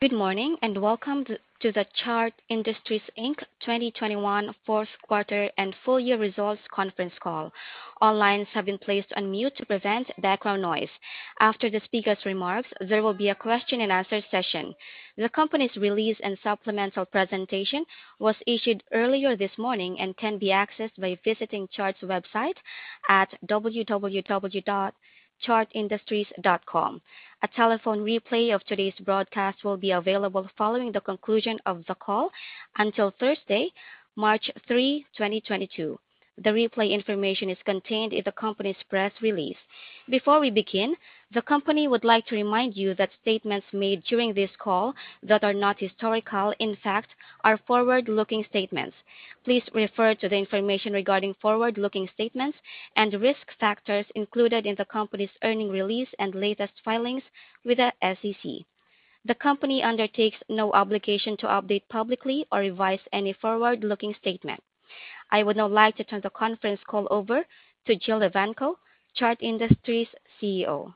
Good morning, and welcome to the Chart Industries Inc. 2021 fourth quarter and full year results conference call. All lines have been placed on mute to prevent background noise. After the speaker's remarks, there will be a question and answer session. The company's release and supplemental presentation was issued earlier this morning and can be accessed by visiting Chart's website at www.chartindustries.com. A telephone replay of today's broadcast will be available following the conclusion of the call until Thursday, March 3, 2022. The replay information is contained in the company's press release. Before we begin, the company would like to remind you that statements made during this call that are not historical, in fact, are forward-looking statements. Please refer to the information regarding forward-looking statements and risk factors included in the company's earnings release and latest filings with the SEC. The company undertakes no obligation to update publicly or revise any forward-looking statement. I would now like to turn the conference call over to Jill Evanko, Chart Industries CEO.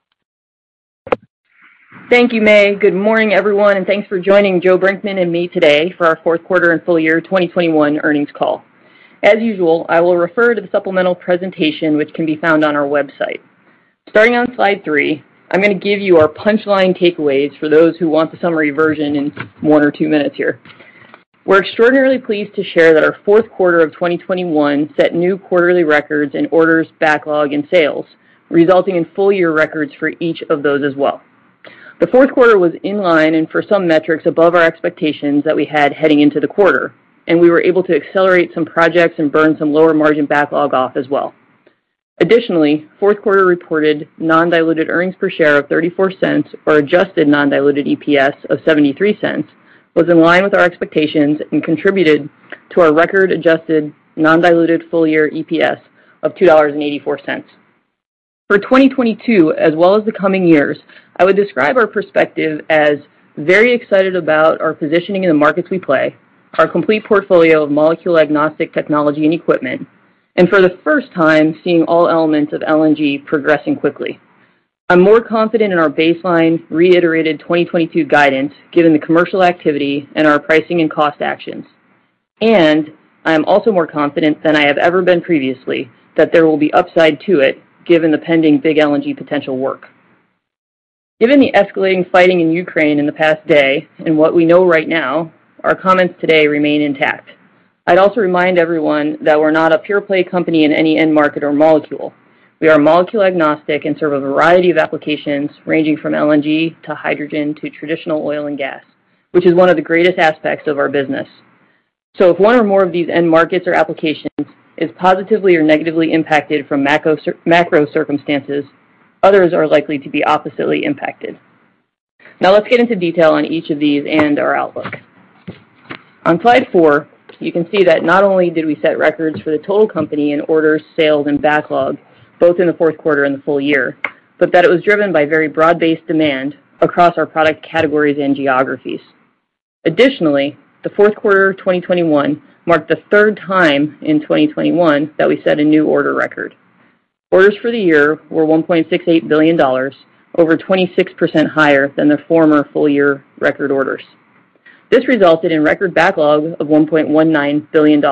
Thank you, May. Good morning, everyone, and thanks for joining Joe Brinkman and me today for our fourth quarter and full year 2021 earnings call. As usual, I will refer to the supplemental presentation, which can be found on our website. Starting on slide 3, I'm gonna give you our punchline takeaways for those who want the summary version in 1 or 2 minutes here. We're extraordinarily pleased to share that our fourth quarter of 2021 set new quarterly records in orders, backlog, and sales, resulting in full year records for each of those as well. The fourth quarter was in line and for some metrics above our expectations that we had heading into the quarter, and we were able to accelerate some projects and burn some lower margin backlog off as well. Additionally, fourth quarter reported non-diluted earnings per share of $0.34 or adjusted non-diluted EPS of $0.73 was in line with our expectations and contributed to our record adjusted non-diluted full year EPS of $2.84. For 2022, as well as the coming years, I would describe our perspective as very excited about our positioning in the markets we play, our complete portfolio of molecule-agnostic technology and equipment, and for the first time seeing all elements of LNG progressing quickly. I'm more confident in our baseline reiterated 2022 guidance given the commercial activity and our pricing and cost actions. I am also more confident than I have ever been previously that there will be upside to it given the pending big LNG potential work. Given the escalating fighting in Ukraine in the past day and what we know right now, our comments today remain intact. I'd also remind everyone that we're not a pure play company in any end market or molecule. We are molecule agnostic and serve a variety of applications ranging from LNG to hydrogen to traditional oil and gas, which is one of the greatest aspects of our business. If one or more of these end markets or applications is positively or negatively impacted from macro circumstances, others are likely to be oppositely impacted. Now let's get into detail on each of these and our outlook. On slide four, you can see that not only did we set records for the total company in orders, sales, and backlog, both in the fourth quarter and the full year, but that it was driven by very broad-based demand across our product categories and geographies. Additionally, the fourth quarter of 2021 marked the third time in 2021 that we set a new order record. Orders for the year were $1.68 billion, over 26% higher than the former full year record orders. This resulted in record backlog of $1.19 billion,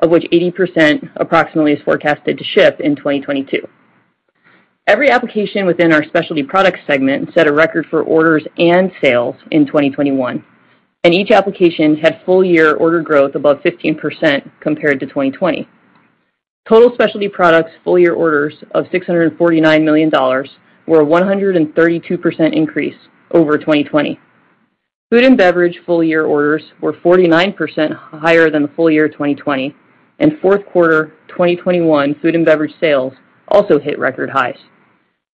of which approximately 80% is forecasted to ship in 2022. Every application within our specialty product segment set a record for orders and sales in 2021, and each application had full year order growth above 15% compared to 2020. Total specialty products full year orders of $649 million were a 132% increase over 2020. Food and beverage full year orders were 49% higher than the full year of 2020 and fourth quarter 2021 food and beverage sales also hit record highs.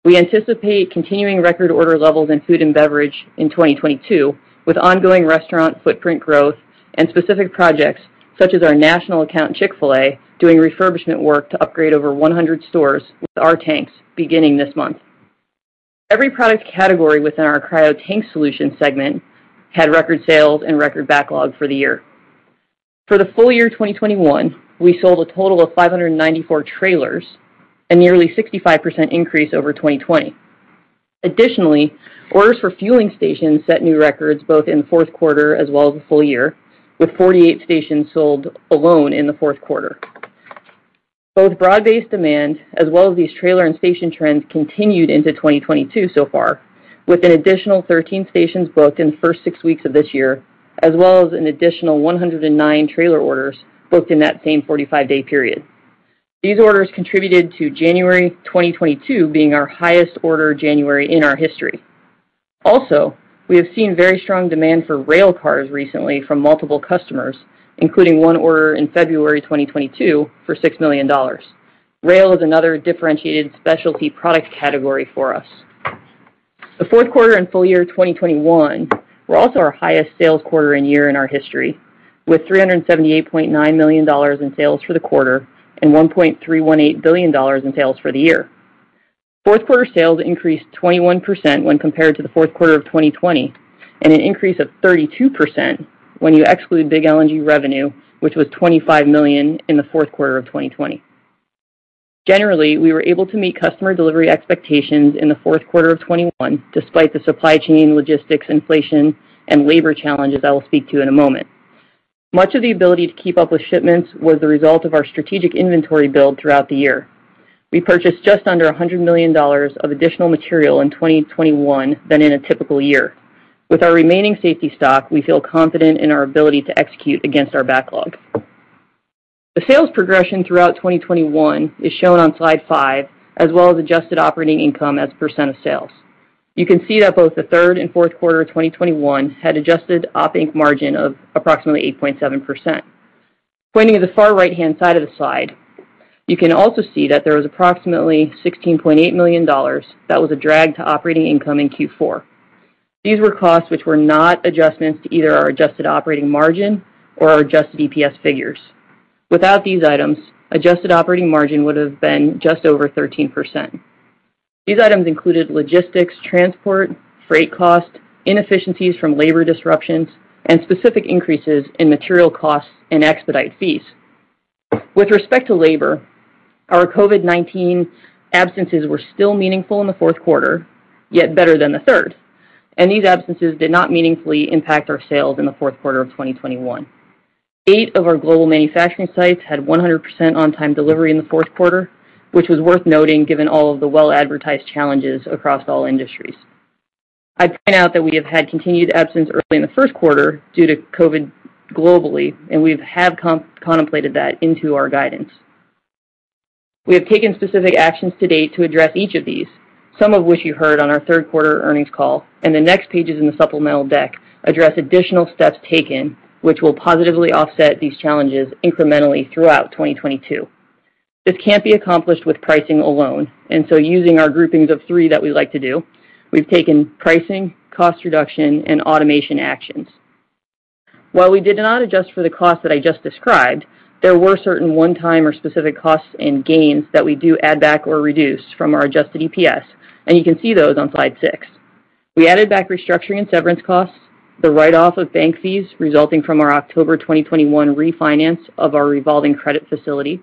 We anticipate continuing record order levels in food and beverage in 2022 with ongoing restaurant footprint growth and specific projects such as our national account Chick-fil-A doing refurbishment work to upgrade over 100 stores with our tanks beginning this month. Every product category within our Cryo Tank Solutions segment had record sales and record backlog for the year. For the full year 2021, we sold a total of 594 trailers, a nearly 65% increase over 2020. Additionally, orders for fueling stations set new records both in the fourth quarter as well as the full year, with 48 stations sold alone in the fourth quarter. Both broad-based demand as well as these trailer and station trends continued into 2022 so far with an additional 13 stations booked in the first six weeks of this year, as well as an additional 109 trailer orders booked in that same 45-day period. These orders contributed to January 2022 being our highest order January in our history. Also, we have seen very strong demand for rail cars recently from multiple customers, including one order in February 2022 for $6 million. Rail is another differentiated specialty product category for us. The fourth quarter and full year 2021 were also our highest sales quarter and year in our history with $378.9 million in sales for the quarter and $1.318 billion in sales for the year. Fourth quarter sales increased 21% when compared to the fourth quarter of 2020, and an increase of 32% when you exclude big LNG revenue, which was $25 million in the fourth quarter of 2020. Generally, we were able to meet customer delivery expectations in the fourth quarter of 2021 despite the supply chain, logistics, inflation, and labor challenges I will speak to in a moment. Much of the ability to keep up with shipments was the result of our strategic inventory build throughout the year. We purchased just under $100 million of additional material in 2021 than in a typical year. With our remaining safety stock, we feel confident in our ability to execute against our backlog. The sales progression throughout 2021 is shown on slide 5, as well as adjusted operating income as a % of sales. You can see that both the third and fourth quarter of 2021 had adjusted operating income margin of approximately 8.7%. Pointing at the far right-hand side of the slide, you can also see that there was approximately $16.8 million that was a drag to operating income in Q4. These were costs which were not adjustments to either our adjusted operating margin or our adjusted EPS figures. Without these items, adjusted operating margin would have been just over 13%. These items included logistics, transport, freight costs, inefficiencies from labor disruptions, and specific increases in material costs and expedite fees. With respect to labor, our COVID-19 absences were still meaningful in the fourth quarter, yet better than the third, and these absences did not meaningfully impact our sales in the fourth quarter of 2021. Eight of our global manufacturing sites had 100% on-time delivery in the fourth quarter, which was worth noting given all of the well-advertised challenges across all industries. I'd point out that we have had continued absence early in the first quarter due to COVID globally, and we have contemplated that into our guidance. We have taken specific actions to date to address each of these, some of which you heard on our third quarter earnings call, and the next pages in the supplemental deck address additional steps taken which will positively offset these challenges incrementally throughout 2022. This can't be accomplished with pricing alone, and so using our groupings of three that we like to do, we've taken pricing, cost reduction, and automation actions. While we did not adjust for the cost that I just described, there were certain one-time or specific costs and gains that we do add back or reduce from our adjusted EPS, and you can see those on slide 6. We added back restructuring and severance costs, the write-off of bank fees resulting from our October 2021 refinance of our revolving credit facility,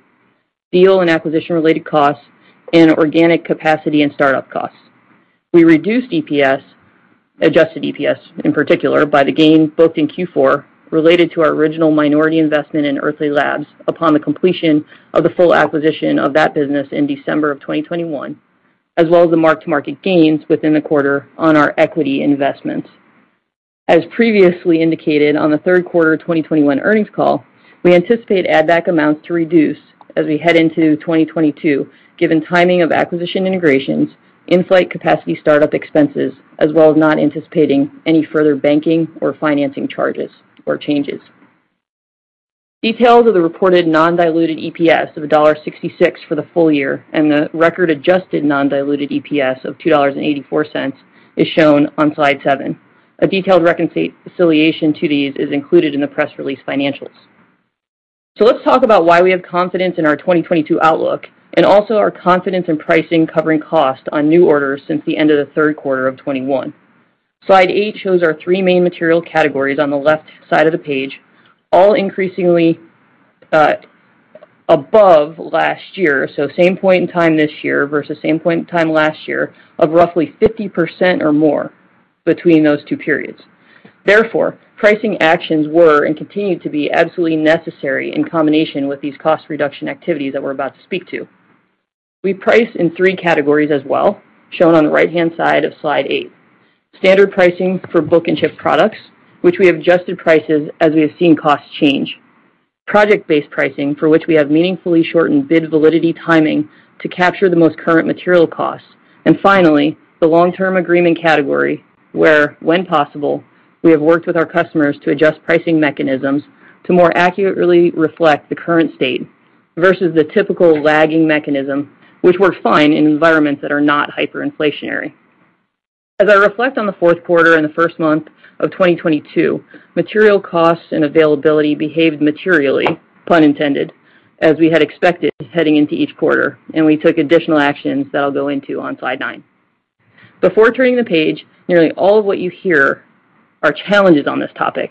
deal and acquisition-related costs, and organic capacity and startup costs. We reduced EPS, adjusted EPS in particular, by the gain booked in Q4 related to our original minority investment in Earthly Labs upon the completion of the full acquisition of that business in December 2021, as well as the mark-to-market gains within the quarter on our equity investments. As previously indicated on the third quarter of 2021 earnings call, we anticipate add-back amounts to reduce as we head into 2022, given timing of acquisition integrations, in-flight capacity startup expenses, as well as not anticipating any further banking or financing charges or changes. Details of the reported non-diluted EPS of $1.66 for the full year and the record adjusted non-diluted EPS of $2.84 is shown on slide 7. A detailed reconciliation to these is included in the press release financials. Let's talk about why we have confidence in our 2022 outlook and also our confidence in pricing covering costs on new orders since the end of the third quarter of 2021. Slide 8 shows our 3 main material categories on the left side of the page, all increasingly above last year, so same point in time this year versus same point in time last year, of roughly 50% or more between those two periods. Therefore, pricing actions were and continue to be absolutely necessary in combination with these cost reduction activities that we're about to speak to. We price in 3 categories as well, shown on the right-hand side of Slide 8. Standard pricing for book and ship products, which we have adjusted prices as we have seen costs change. Project-based pricing, for which we have meaningfully shortened bid validity timing to capture the most current material costs. Finally, the long-term agreement category, where, when possible, we have worked with our customers to adjust pricing mechanisms to more accurately reflect the current state versus the typical lagging mechanism, which works fine in environments that are not hyperinflationary. As I reflect on the fourth quarter and the first month of 2022, material costs and availability behaved materially, pun intended, as we had expected heading into each quarter, and we took additional actions that I'll go into on slide 9. Before turning the page, nearly all of what you hear are challenges on this topic.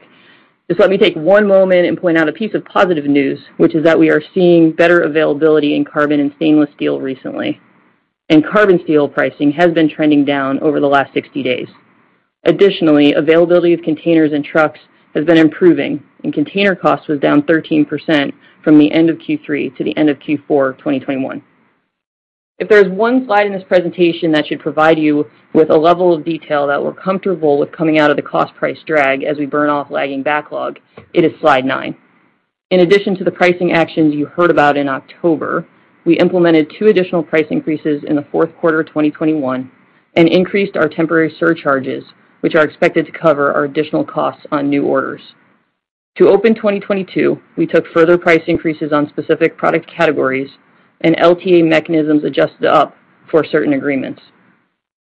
Just let me take one moment and point out a piece of positive news, which is that we are seeing better availability in carbon and stainless steel recently, and carbon steel pricing has been trending down over the last 60 days. Additionally, availability of containers and trucks has been improving, and container costs was down 13% from the end of Q3 to the end of Q4 of 2021. If there's one slide in this presentation that should provide you with a level of detail that we're comfortable with coming out of the cost price drag as we burn off lagging backlog, it is slide 9. In addition to the pricing actions you heard about in October, we implemented 2 additional price increases in the fourth quarter of 2021 and increased our temporary surcharges, which are expected to cover our additional costs on new orders. To open 2022, we took further price increases on specific product categories and LTA mechanisms adjusted up for certain agreements.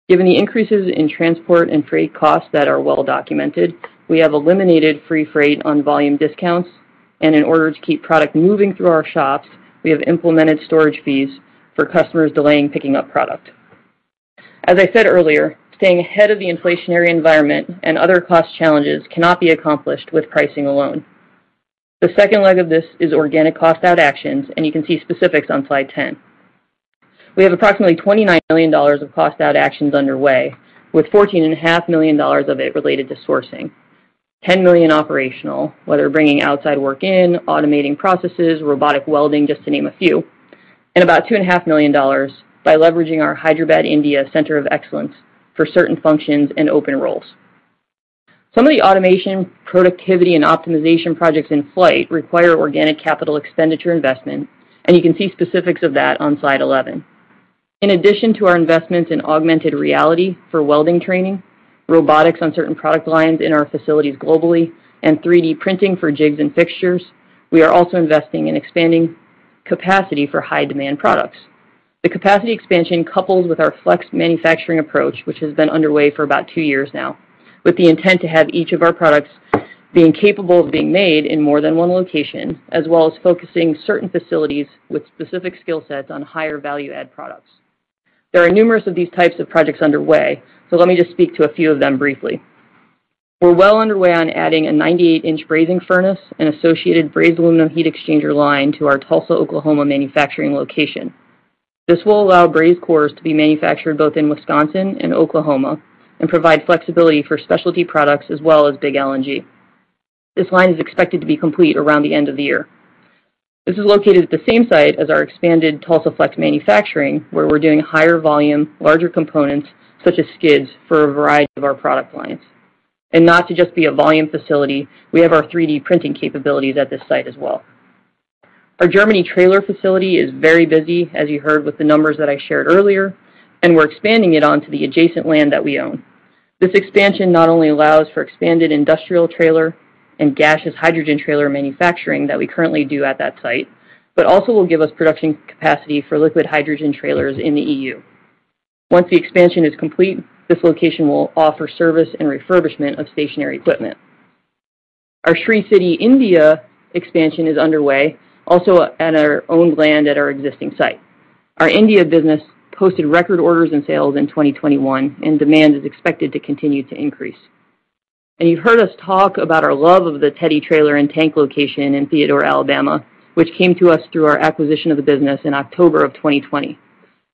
Given the increases in transport and freight costs that are well documented, we have eliminated free freight on volume discounts and in order to keep product moving through our shops, we have implemented storage fees for customers delaying picking up product. As I said earlier, staying ahead of the inflationary environment and other cost challenges cannot be accomplished with pricing alone. The second leg of this is organic cost out actions, and you can see specifics on slide 10. We have approximately $29 million of cost out actions underway, with $14.5 million of it related to sourcing. $10 million operational, whether bringing outside work in, automating processes, robotic welding, just to name a few, and about $2.5 million by leveraging our Hyderabad, India, center of excellence for certain functions and open roles. Some of the automation, productivity and optimization projects in flight require organic capital expenditure investment, and you can see specifics of that on slide 11. In addition to our investments in augmented reality for welding training, robotics on certain product lines in our facilities globally, and 3D printing for jigs and fixtures, we are also investing in expanding capacity for high demand products. The capacity expansion couples with our flex manufacturing approach, which has been underway for about two years now, with the intent to have each of our products being capable of being made in more than one location, as well as focusing certain facilities with specific skill sets on higher value add products. There are numerous of these types of projects underway, so let me just speak to a few of them briefly. We're well underway on adding a 98-inch brazing furnace and associated brazed aluminum heat exchanger line to our Tulsa, Oklahoma, manufacturing location. This will allow brazed cores to be manufactured both in Wisconsin and Oklahoma and provide flexibility for specialty products as well as big LNG. This line is expected to be complete around the end of the year. This is located at the same site as our expanded Tulsa flex manufacturing, where we're doing higher volume, larger components such as skids for a variety of our product lines. Not to just be a volume facility, we have our 3D printing capabilities at this site as well. Our Germany trailer facility is very busy, as you heard with the numbers that I shared earlier, and we're expanding it onto the adjacent land that we own. This expansion not only allows for expanded industrial trailer and gaseous hydrogen trailer manufacturing that we currently do at that site, but also will give us production capacity for liquid hydrogen trailers in the EU. Once the expansion is complete, this location will offer service and refurbishment of stationary equipment. Our Sri City, India, expansion is underway also at our own land at our existing site. Our India business posted record orders and sales in 2021, and demand is expected to continue to increase. You've heard us talk about our love of the Teddy trailer and tank location in Theodore, Alabama, which came to us through our acquisition of the business in October of 2020.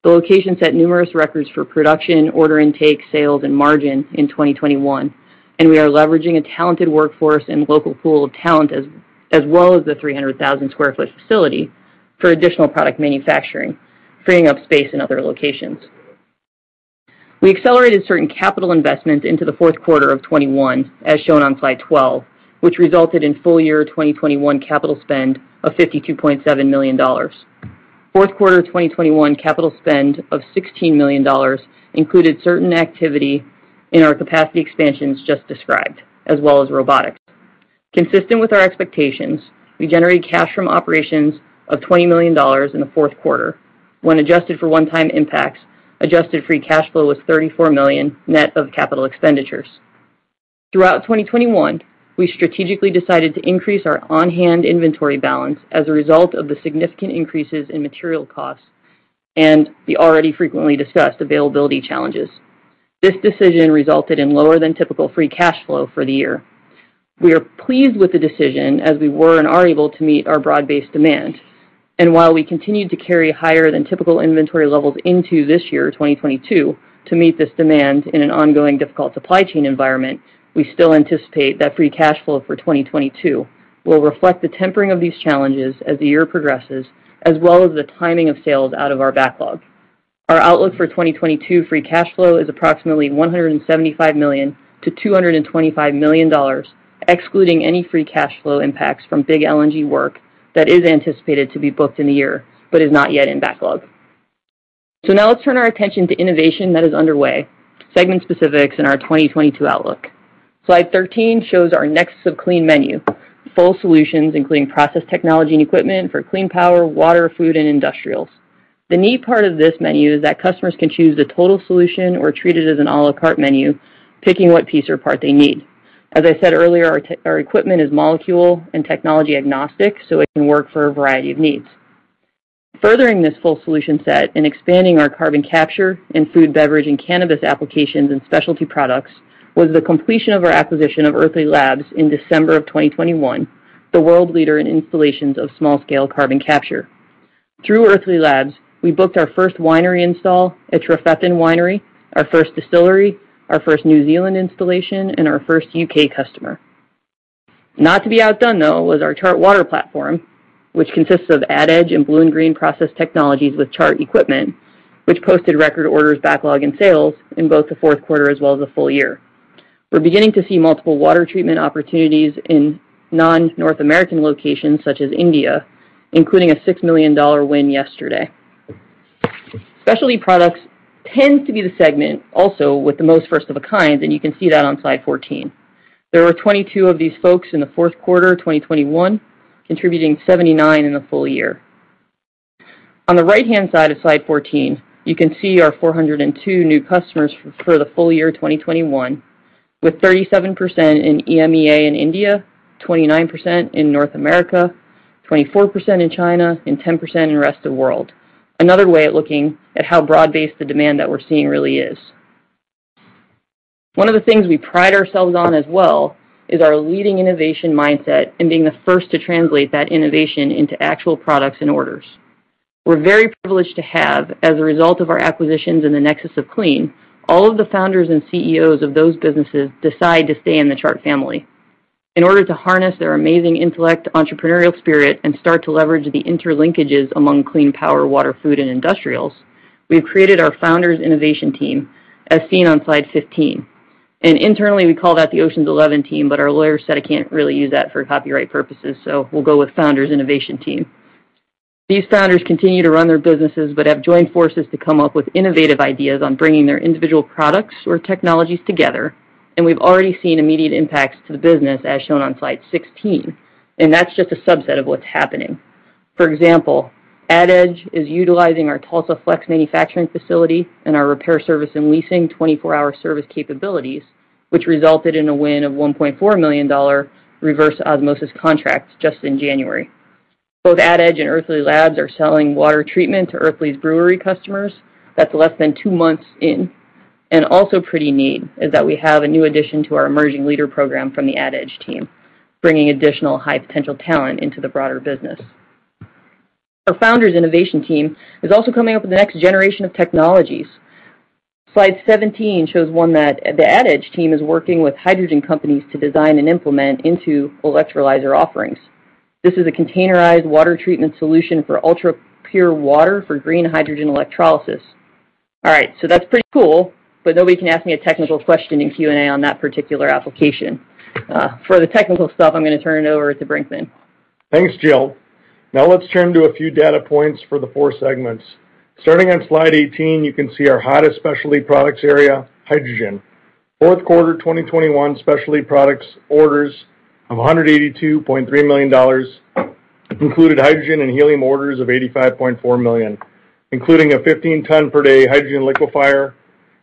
The location set numerous records for production, order intake, sales, and margin in 2021, and we are leveraging a talented workforce and local pool of talent as well as the 300,000 sq ft facility for additional product manufacturing, freeing up space in other locations. We accelerated certain capital investments into the fourth quarter of 2021, as shown on slide 12, which resulted in full year 2021 capital spend of $52.7 million. Fourth quarter 2021 capital spend of $16 million included certain activity in our capacity expansions just described, as well as robotics. Consistent with our expectations, we generated cash from operations of $20 million in the fourth quarter. When adjusted for one-time impacts, adjusted free cash flow was $34 million net of capital expenditures. Throughout 2021, we strategically decided to increase our on-hand inventory balance as a result of the significant increases in material costs and the already frequently discussed availability challenges. This decision resulted in lower than typical free cash flow for the year. We are pleased with the decision as we were and are able to meet our broad-based demand. While we continued to carry higher than typical inventory levels into this year, 2022, to meet this demand in an ongoing difficult supply chain environment, we still anticipate that free cash flow for 2022 will reflect the tempering of these challenges as the year progresses, as well as the timing of sales out of our backlog. Our outlook for 2022 free cash flow is approximately $175 million-$225 million, excluding any free cash flow impacts from big LNG work that is anticipated to be booked in the year but is not yet in backlog. Now let's turn our attention to innovation that is underway, segment specifics in our 2022 outlook. Slide 13 shows our next-gen clean menu, full solutions including process technology and equipment for clean power, water, food, and industrials. The neat part of this menu is that customers can choose the total solution or treat it as an à la carte menu, picking what piece or part they need. As I said earlier, our equipment is molecule and technology agnostic, so it can work for a variety of needs. Furthering this full solution set and expanding our carbon capture and food, beverage, and cannabis applications and specialty products was the completion of our acquisition of Earthly Labs in December 2021, the world leader in installations of small-scale carbon capture. Through Earthly Labs, we booked our first winery install at Trefethen Winery, our first distillery, our first New Zealand installation, and our first U.K. customer. Not to be outdone, though, was our Chart Water platform, which consists of AdEdge and BlueInGreen process technologies with Chart equipment, which posted record orders, backlog, and sales in both the fourth quarter as well as the full year. We're beginning to see multiple water treatment opportunities in non-North American locations such as India, including a $6 million win yesterday. Specialty products tend to be the segment also with the most first of a kind, and you can see that on slide 14. There are 22 of these folks in the fourth quarter, 2021, contributing 79 in the full year. On the right-hand side of slide 14, you can see our 402 new customers for the full year 2021. With 37% in EMEA and India, 29% in North America, 24% in China and 10% in rest of world. Another way of looking at how broad-based the demand that we're seeing really is. One of the things we pride ourselves on as well is our leading innovation mindset and being the first to translate that innovation into actual products and orders. We're very privileged to have, as a result of our acquisitions in the nexus of clean, all of the founders and CEOs of those businesses decide to stay in the Chart family. In order to harness their amazing intellect, entrepreneurial spirit, and start to leverage the interlinkages among clean power, water, food, and industrials, we have created our Founders Innovation team, as seen on slide 15. Internally, we call that the Ocean's Eleven team, but our lawyer said I can't really use that for copyright purposes, so we'll go with Founders Innovation team. These founders continue to run their businesses, but have joined forces to come up with innovative ideas on bringing their individual products or technologies together, and we've already seen immediate impacts to the business as shown on slide 16, and that's just a subset of what's happening. For example, AdEdge is utilizing our Tulsa flex manufacturing facility and our repair service and leasing 24-hour service capabilities, which resulted in a win of $1.4 million reverse osmosis contract just in January. Both AdEdge and Earthly Labs are selling water treatment to Earthly's brewery customers. That's less than two months in. Also pretty neat is that we have a new addition to our emerging leader program from the AdEdge team, bringing additional high potential talent into the broader business. Our Founders Innovation team is also coming up with the next generation of technologies. Slide 17 shows one that the AdEdge team is working with hydrogen companies to design and implement into electrolyzer offerings. This is a containerized water treatment solution for ultra-pure water for green hydrogen electrolysis. All right, that's pretty cool, but nobody can ask me a technical question in Q&A on that particular application. For the technical stuff, I'm gonna turn it over to Brinkman. Thanks, Jill. Now let's turn to a few data points for the four segments. Starting on slide 18, you can see our hottest specialty products area, hydrogen. Fourth quarter 2021 specialty products orders of $182.3 million included hydrogen and helium orders of $85.4 million, including a 15 ton per day hydrogen liquefier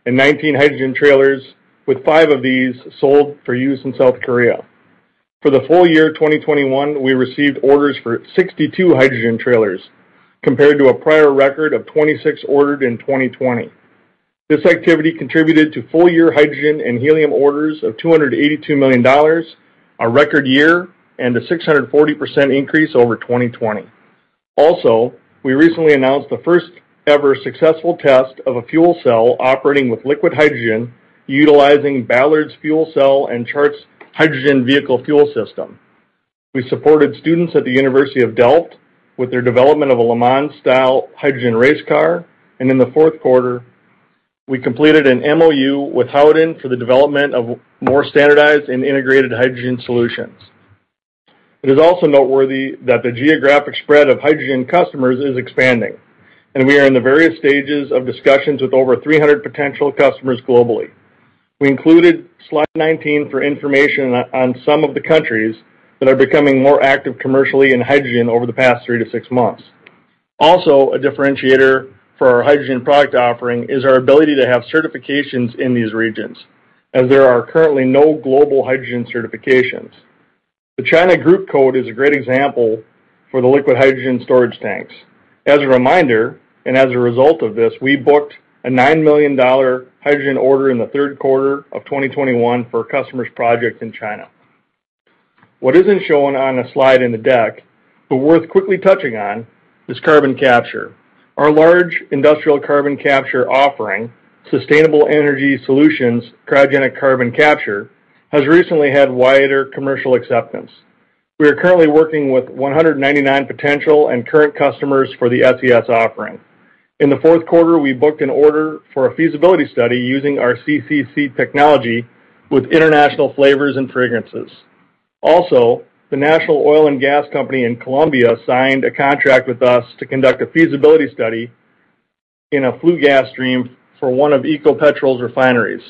and 19 hydrogen trailers, with 5 of these sold for use in South Korea. For the full year 2021, we received orders for 62 hydrogen trailers compared to a prior record of 26 ordered in 2020. This activity contributed to full year hydrogen and helium orders of $282 million, a record year, and a 640% increase over 2020. We recently announced the first ever successful test of a fuel cell operating with liquid hydrogen, utilizing Ballard's fuel cell and Chart's hydrogen vehicle fuel system. We supported students at the Delft University of Technology with their development of a Le Mans-style hydrogen race car. In the fourth quarter, we completed an MOU with Howden for the development of more standardized and integrated hydrogen solutions. It is also noteworthy that the geographic spread of hydrogen customers is expanding, and we are in the various stages of discussions with over 300 potential customers globally. We included slide 19 for information on some of the countries that are becoming more active commercially in hydrogen over the past 3 to 6 months. A differentiator for our hydrogen product offering is our ability to have certifications in these regions, as there are currently no global hydrogen certifications. The China Group Code is a great example for the liquid hydrogen storage tanks. As a reminder, and as a result of this, we booked a $9 million hydrogen order in the third quarter of 2021 for a customer's project in China. What isn't shown on a slide in the deck, but worth quickly touching on, is carbon capture. Our large industrial carbon capture offering, Sustainable Energy Solutions Cryogenic Carbon Capture, has recently had wider commercial acceptance. We are currently working with 199 potential and current customers for the SES offering. In the fourth quarter, we booked an order for a feasibility study using our CCC technology with International Flavors and Fragrances. Also, the National Oil and Gas Company in Colombia signed a contract with us to conduct a feasibility study in a flue gas stream for one of Ecopetrol's refineries.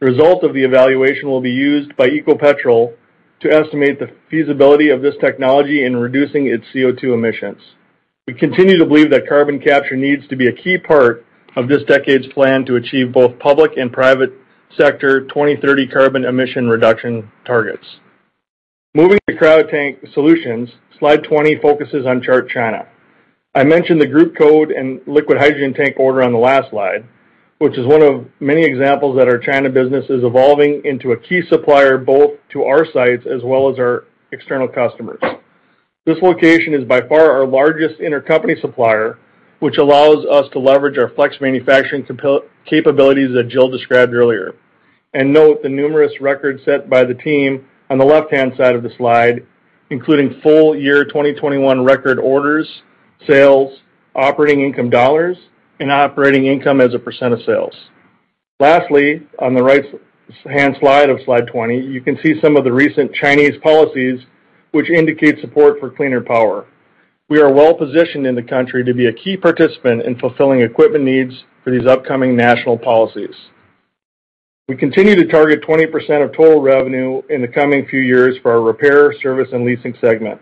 The result of the evaluation will be used by Ecopetrol to estimate the feasibility of this technology in reducing its CO2 emissions. We continue to believe that carbon capture needs to be a key part of this decade's plan to achieve both public and private sector 2030 carbon emission reduction targets. Moving to Cryo Tank Solutions, slide 20 focuses on Chart China. I mentioned the China Group Code and liquid hydrogen tank order on the last slide, which is one of many examples that our China business is evolving into a key supplier, both to our sites as well as our external customers. This location is by far our largest intercompany supplier, which allows us to leverage our flex manufacturing capabilities that Jill described earlier. Note the numerous records set by the team on the left-hand side of the slide, including full year 2021 record orders, sales, operating income dollars, and operating income as a % of sales. Lastly, on the right-hand side of slide 20, you can see some of the recent Chinese policies which indicate support for cleaner power. We are well positioned in the country to be a key participant in fulfilling equipment needs for these upcoming national policies. We continue to target 20% of total revenue in the coming few years for our repair, service, and leasing segment.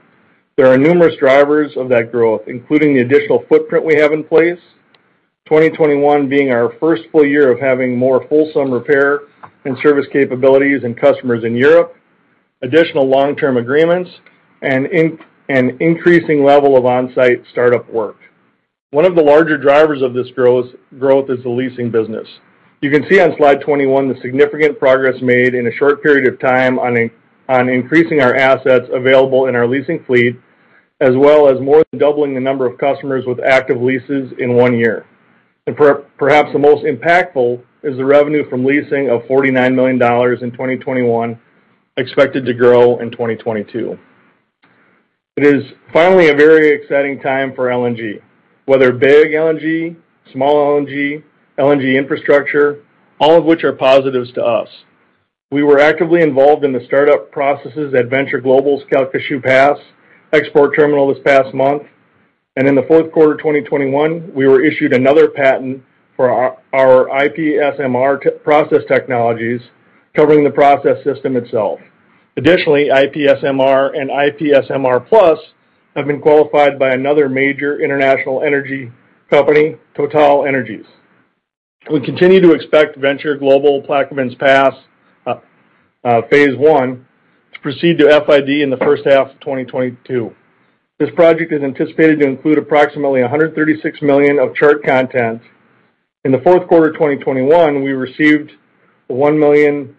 There are numerous drivers of that growth, including the additional footprint we have in place. 2021 being our first full year of having more full-service repair and service capabilities and customers in Europe, additional long-term agreements, and an increasing level of on-site startup work. One of the larger drivers of this growth is the leasing business. You can see on slide 21 the significant progress made in a short period of time on increasing our assets available in our leasing fleet, as well as more than doubling the number of customers with active leases in one year. Perhaps the most impactful is the revenue from leasing of $49 million in 2021, expected to grow in 2022. It is finally a very exciting time for LNG, whether big LNG, small LNG infrastructure, all of which are positives to us. We were actively involved in the startup processes at Venture Global's Calcasieu Pass export terminal this past month. In the fourth quarter of 2021, we were issued another patent for our IPSMR process technologies, covering the process system itself. Additionally, IPSMR and IPSMR+ have been qualified by another major international energy company, TotalEnergies. We continue to expect Venture Global Plaquemines LNG phase one to proceed to FID in the first half of 2022. This project is anticipated to include approximately $136 million of Chart content. In the fourth quarter of 2021, we received a $1 million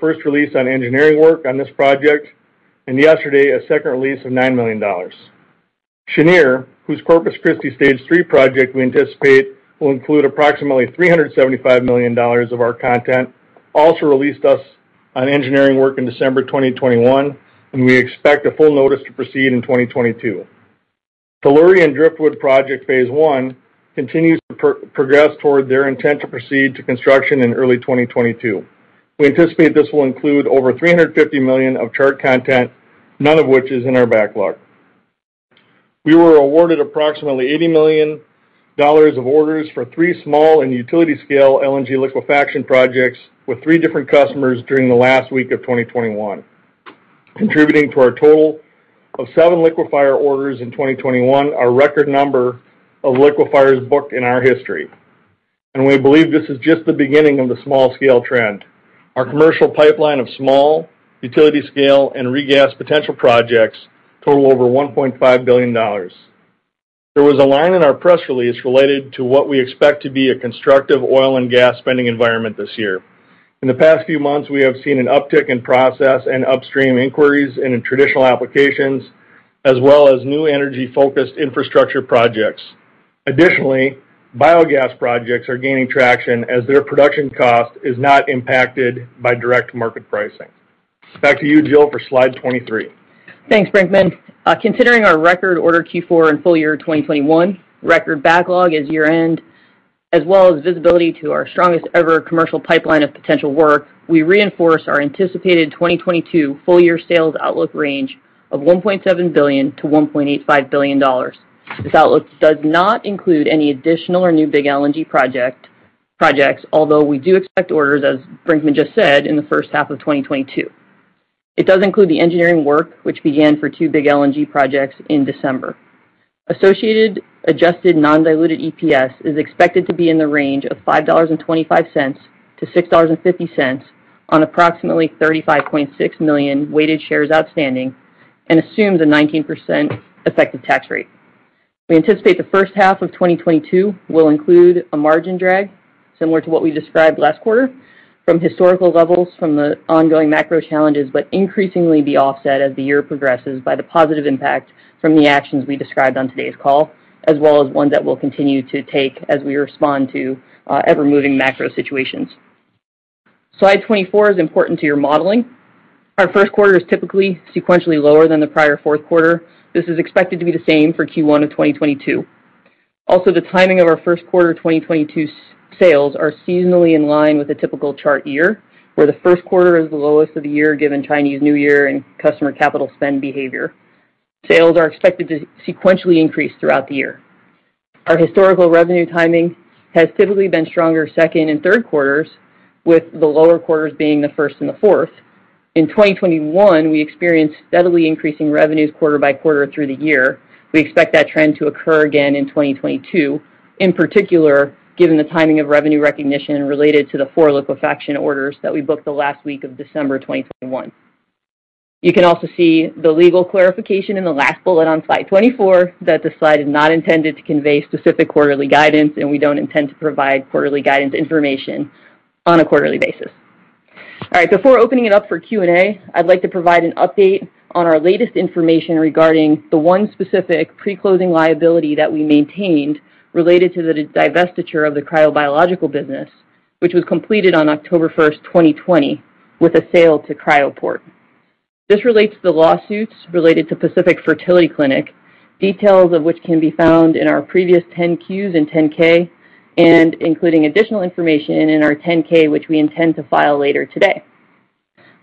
first release on engineering work on this project, and yesterday, a second release of $9 million. Cheniere, whose Corpus Christi Stage 3 project we anticipate will include approximately $375 million of our content, also released us on engineering work in December 2021, and we expect a full notice to proceed in 2022. Tellurian Driftwood LNG project phase one continues to progress toward their intent to proceed to construction in early 2022. We anticipate this will include over $350 million of Chart content, none of which is in our backlog. We were awarded approximately $80 million of orders for 3 small and utility-scale LNG liquefaction projects with 3 different customers during the last week of 2021, contributing to our total of 7 liquefier orders in 2021, our record number of liquefiers booked in our history. We believe this is just the beginning of the small scale trend. Our commercial pipeline of small, utility scale, and regas potential projects total over $1.5 billion. There was a line in our press release related to what we expect to be a constructive oil and gas spending environment this year. In the past few months, we have seen an uptick in process and upstream inquiries in traditional applications, as well as new energy-focused infrastructure projects. Additionally, biogas projects are gaining traction as their production cost is not impacted by direct market pricing. Back to you, Jill, for slide 23. Thanks, Brinkman. Considering our record order Q4 and full year 2021, record backlog is year-end, as well as visibility to our strongest ever commercial pipeline of potential work, we reinforce our anticipated 2022 full year sales outlook range of $1.7 billion-$1.85 billion. This outlook does not include any additional or new big LNG projects, although we do expect orders, as Brinkman just said, in the first half of 2022. It does include the engineering work, which began for 2 big LNG projects in December. Associated adjusted non-diluted EPS is expected to be in the range of $5.25-$6.50 on approximately 35.6 million weighted shares outstanding and assumes a 19% effective tax rate. We anticipate the first half of 2022 will include a margin drag, similar to what we described last quarter, from historical levels from the ongoing macro challenges, but increasingly be offset as the year progresses by the positive impact from the actions we described on today's call, as well as ones that we'll continue to take as we respond to ever-moving macro situations. Slide 24 is important to your modeling. Our first quarter is typically sequentially lower than the prior fourth quarter. This is expected to be the same for Q1 of 2022. Also, the timing of our first quarter 2022 sales are seasonally in line with a typical Chart year, where the first quarter is the lowest of the year, given Chinese New Year and customer capital spend behavior. Sales are expected to sequentially increase throughout the year. Our historical revenue timing has typically been stronger second and third quarters, with the lower quarters being the first and the fourth. In 2021, we experienced steadily increasing revenues quarter by quarter through the year. We expect that trend to occur again in 2022, in particular, given the timing of revenue recognition related to the 4 liquefaction orders that we booked the last week of December 2021. You can also see the legal clarification in the last bullet on Slide 24 that the slide is not intended to convey specific quarterly guidance, and we don't intend to provide quarterly guidance information on a quarterly basis. All right, before opening it up for Q&A, I'd like to provide an update on our latest information regarding the one specific pre-closing liability that we maintained related to the divestiture of the cryobiological business, which was completed on October 1, 2020, with a sale to Cryoport. This relates to lawsuits related to Pacific Fertility Center, details of which can be found in our previous 10-Qs and 10-K, and including additional information in our 10-K, which we intend to file later today.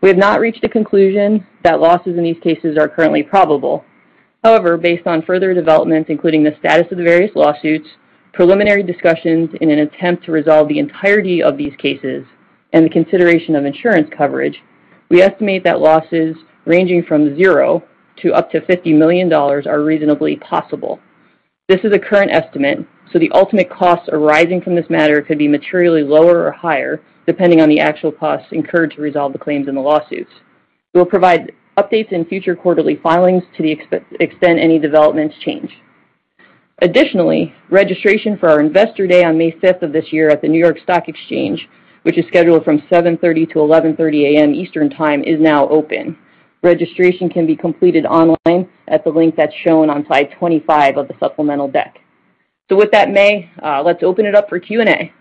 We have not reached a conclusion that losses in these cases are currently probable. However, based on further developments, including the status of the various lawsuits, preliminary discussions in an attempt to resolve the entirety of these cases, and the consideration of insurance coverage. We estimate that losses ranging from $0 to up to $50 million are reasonably possible. This is a current estimate, so the ultimate costs arising from this matter could be materially lower or higher, depending on the actual costs incurred to resolve the claims in the lawsuits. We'll provide updates in future quarterly filings to the extent any developments change. Additionally, registration for our Investor Day on May 5 of this year at the New York Stock Exchange, which is scheduled from 7:30 to 11:30 A.M. Eastern Time, is now open. Registration can be completed online at the link that's shown on slide 25 of the supplemental deck. With that, May, let's open it up for Q&A.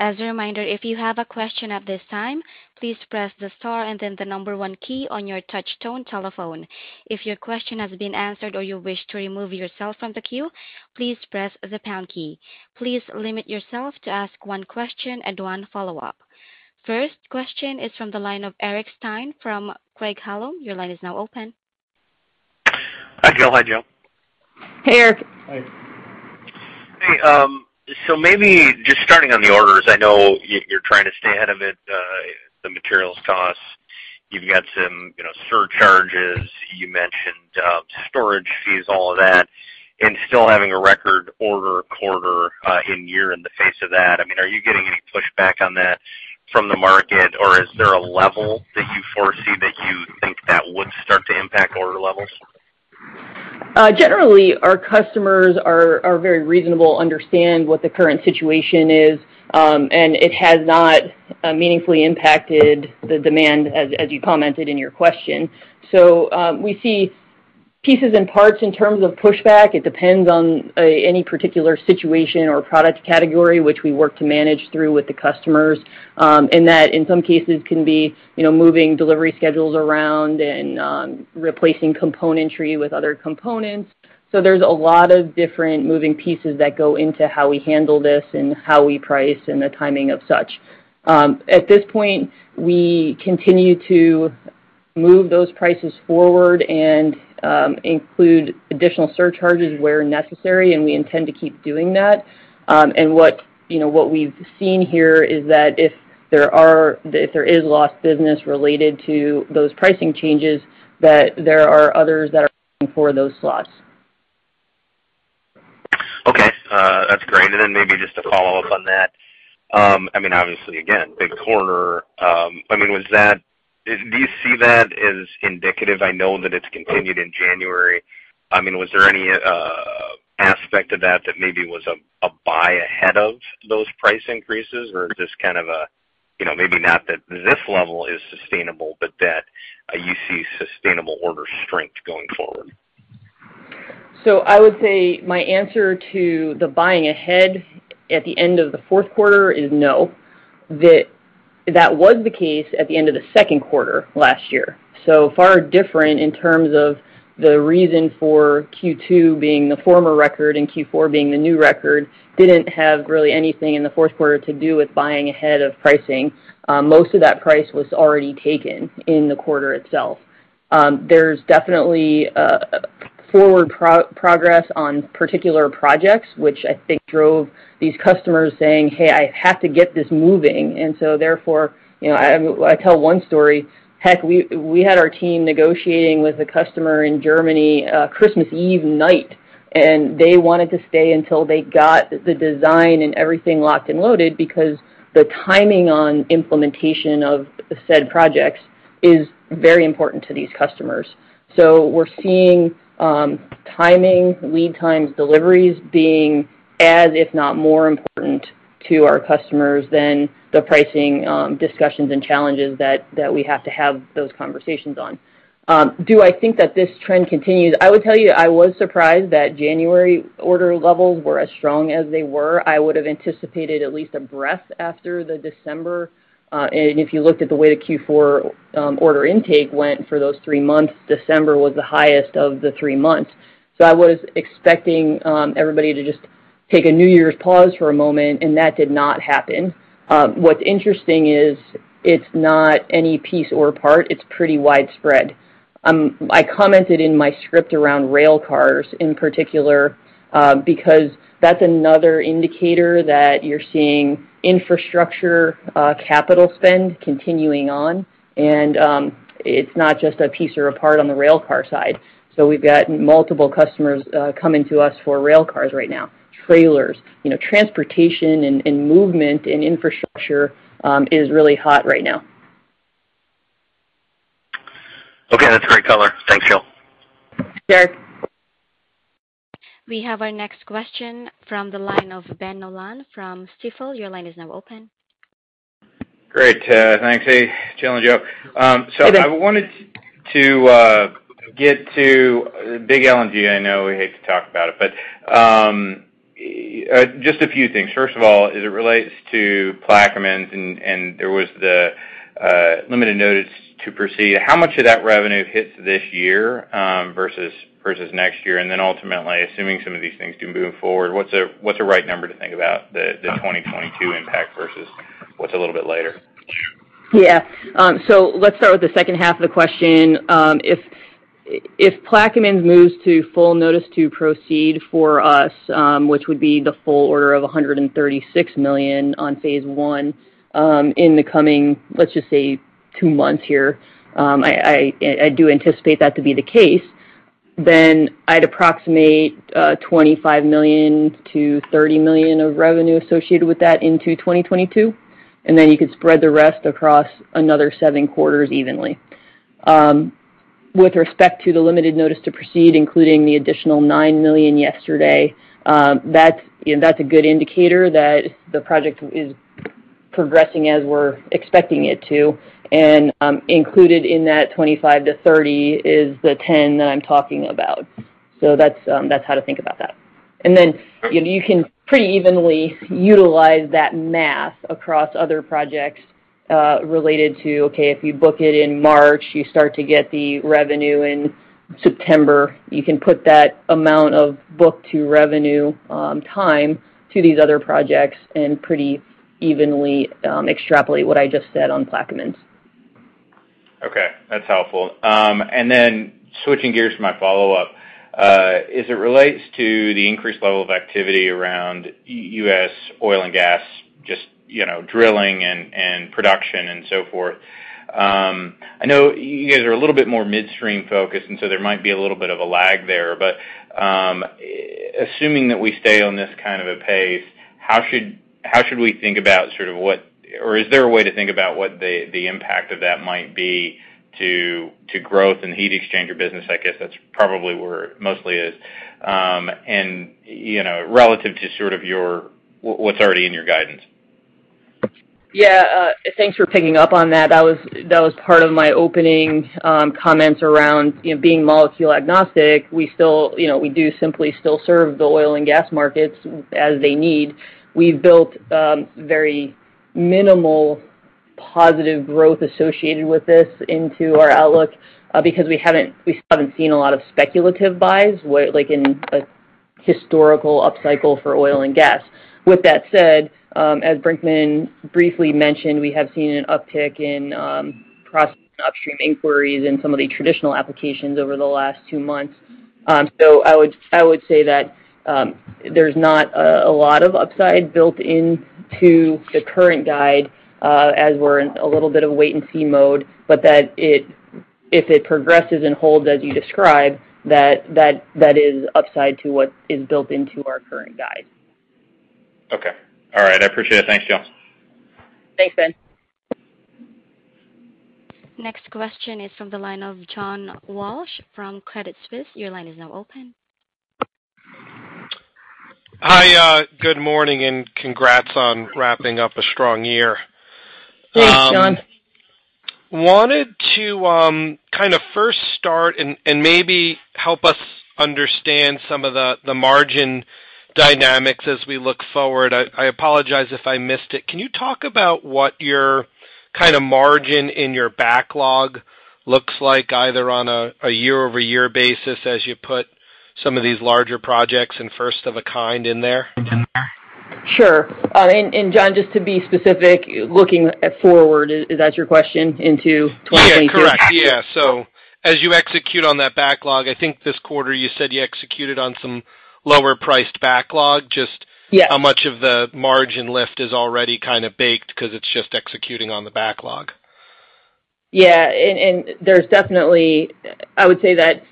As a reminder, if you have a question at this time, please press the star and then the number one key on your touch tone telephone. If your question has been answered or you wish to remove yourself from the queue, please press the pound key. Please limit yourself to ask one question and one follow-up. First question is from the line of Eric Stine from Craig-Hallum. Your line is now open. Hi, Jill. Hi, Joe. Hey, Eric. Hi. Hey, maybe just starting on the orders. I know you're trying to stay ahead of it, the materials costs. You've got some, you know, surcharges. You mentioned storage fees, all of that, and still having a record order quarter in a year in the face of that. I mean, are you getting any pushback on that from the market, or is there a level that you foresee that you think that would start to impact order levels? Generally, our customers are very reasonable, understand what the current situation is, and it has not meaningfully impacted the demand, as you commented in your question. We see pieces and parts in terms of pushback. It depends on any particular situation or product category, which we work to manage through with the customers, and that, in some cases, can be, you know, moving delivery schedules around and replacing componentry with other components. There's a lot of different moving pieces that go into how we handle this and how we price and the timing of such. At this point, we continue to move those prices forward and include additional surcharges where necessary, and we intend to keep doing that. What, you know, we've seen here is that if there is lost business related to those pricing changes, that there are others that are for those slots. Okay. That's great. Then maybe just to follow up on that, I mean, obviously, again, big quarter. I mean, was that, do you see that as indicative? I know that it's continued in January. I mean, was there any aspect of that that maybe was a buy ahead of those price increases, or is this kind of a, you know, maybe not that this level is sustainable, but that you see sustainable order strength going forward? I would say my answer to the buying ahead at the end of the fourth quarter is no. That was the case at the end of the second quarter last year. Far different in terms of the reason for Q2 being the former record and Q4 being the new record didn't have really anything in the fourth quarter to do with buying ahead of pricing. Most of that price was already taken in the quarter itself. There's definitely forward progress on particular projects, which I think drove these customers saying, "Hey, I have to get this moving." Therefore, you know, I tell one story. Heck, we had our team negotiating with a customer in Germany, Christmas Eve night, and they wanted to stay until they got the design and everything locked and loaded because the timing on implementation of the said projects is very important to these customers. We're seeing timing, lead times, deliveries being as if not more important to our customers than the pricing discussions and challenges that we have to have those conversations on. Do I think that this trend continues? I would tell you, I was surprised that January order levels were as strong as they were. I would have anticipated at least a breather after the December. If you looked at the way the Q4 order intake went for those three months, December was the highest of the three months. I was expecting everybody to just take a New Year's pause for a moment, and that did not happen. What's interesting is it's not any piece or part. I commented in my script around rail cars in particular, because that's another indicator that you're seeing infrastructure capital spend continuing on, and it's not just a piece or a part on the rail car side. We've got multiple customers coming to us for rail cars right now, trailers. You know, transportation and movement and infrastructure is really hot right now. Okay. That's a great color. Thanks, Jill. Sure. We have our next question from the line of Ben Nolan from Stifel. Your line is now open. Great. Thanks. Hey, Jill and Joe. I wanted to get to big LNG. I know we hate to talk about it, but just a few things. First of all, as it relates to Plaquemines and there was the limited notice to proceed, how much of that revenue hits this year versus next year? Ultimately, assuming some of these things do move forward, what's a right number to think about the 2022 impact versus what's a little bit later? Yeah. Let's start with the second half of the question. If Plaquemines moves to full notice to proceed for us, which would be the full order of $136 million on phase one, in the coming, let's just say 2 months here, I do anticipate that to be the case, then I'd approximate $25 million-$30 million of revenue associated with that into 2022, and then you could spread the rest across another 7 quarters evenly. With respect to the limited notice to proceed, including the additional $9 million yesterday, that's, you know, that's a good indicator that the project is progressing as we're expecting it to. Included in that $25 million-$30 million is the $10 million that I'm talking about. That's how to think about that. You know, you can pretty evenly utilize that math across other projects related to okay, if you book it in March, you start to get the revenue in September. You can put that amount of book to revenue time to these other projects and pretty evenly extrapolate what I just said on Plaquemines. Okay, that's helpful. Then switching gears for my follow-up, as it relates to the increased level of activity around U.S. oil and gas, just, you know, drilling and production and so forth, I know you guys are a little bit more midstream focused, and so there might be a little bit of a lag there. Assuming that we stay on this kind of a pace, how should we think about sort of what or is there a way to think about what the impact of that might be to growth in heat exchanger business? I guess that's probably where it mostly is. You know, relative to sort of your what's already in your guidance. Yeah. Thanks for picking up on that. That was part of my opening comments around, you know, being molecule agnostic. We still, you know, we do simply still serve the oil and gas markets as they need. We've built very minimal positive growth associated with this into our outlook because we haven't seen a lot of speculative buys where like in a historical upcycle for oil and gas. With that said, as Brinkman briefly mentioned, we have seen an uptick in process and upstream inquiries in some of the traditional applications over the last two months. I would say that there's not a lot of upside built into the current guide, as we're in a little bit of wait and see mode, but that if it progresses and holds as you describe, that is upside to what is built into our current guide. Okay. All right. I appreciate it. Thanks, Jill. Thanks, Ben. Next question is from the line of John Walsh from Credit Suisse. Your line is now open. Hi. Good morning, and congrats on wrapping up a strong year. Thanks, John. Wanted to kind of start and maybe help us understand some of the margin dynamics as we look forward. I apologize if I missed it. Can you talk about what kind of margin in your backlog looks like, either on a year-over-year basis as you put some of these larger projects and first of a kind in there? Sure. John, just to be specific, looking forward, is that your question into 2022? Yeah. Correct. Yeah. As you execute on that backlog, I think this quarter you said you executed on some lower priced backlog. Just- Yes. How much of the margin lift is already kind of baked because it's just executing on the backlog? There's definitely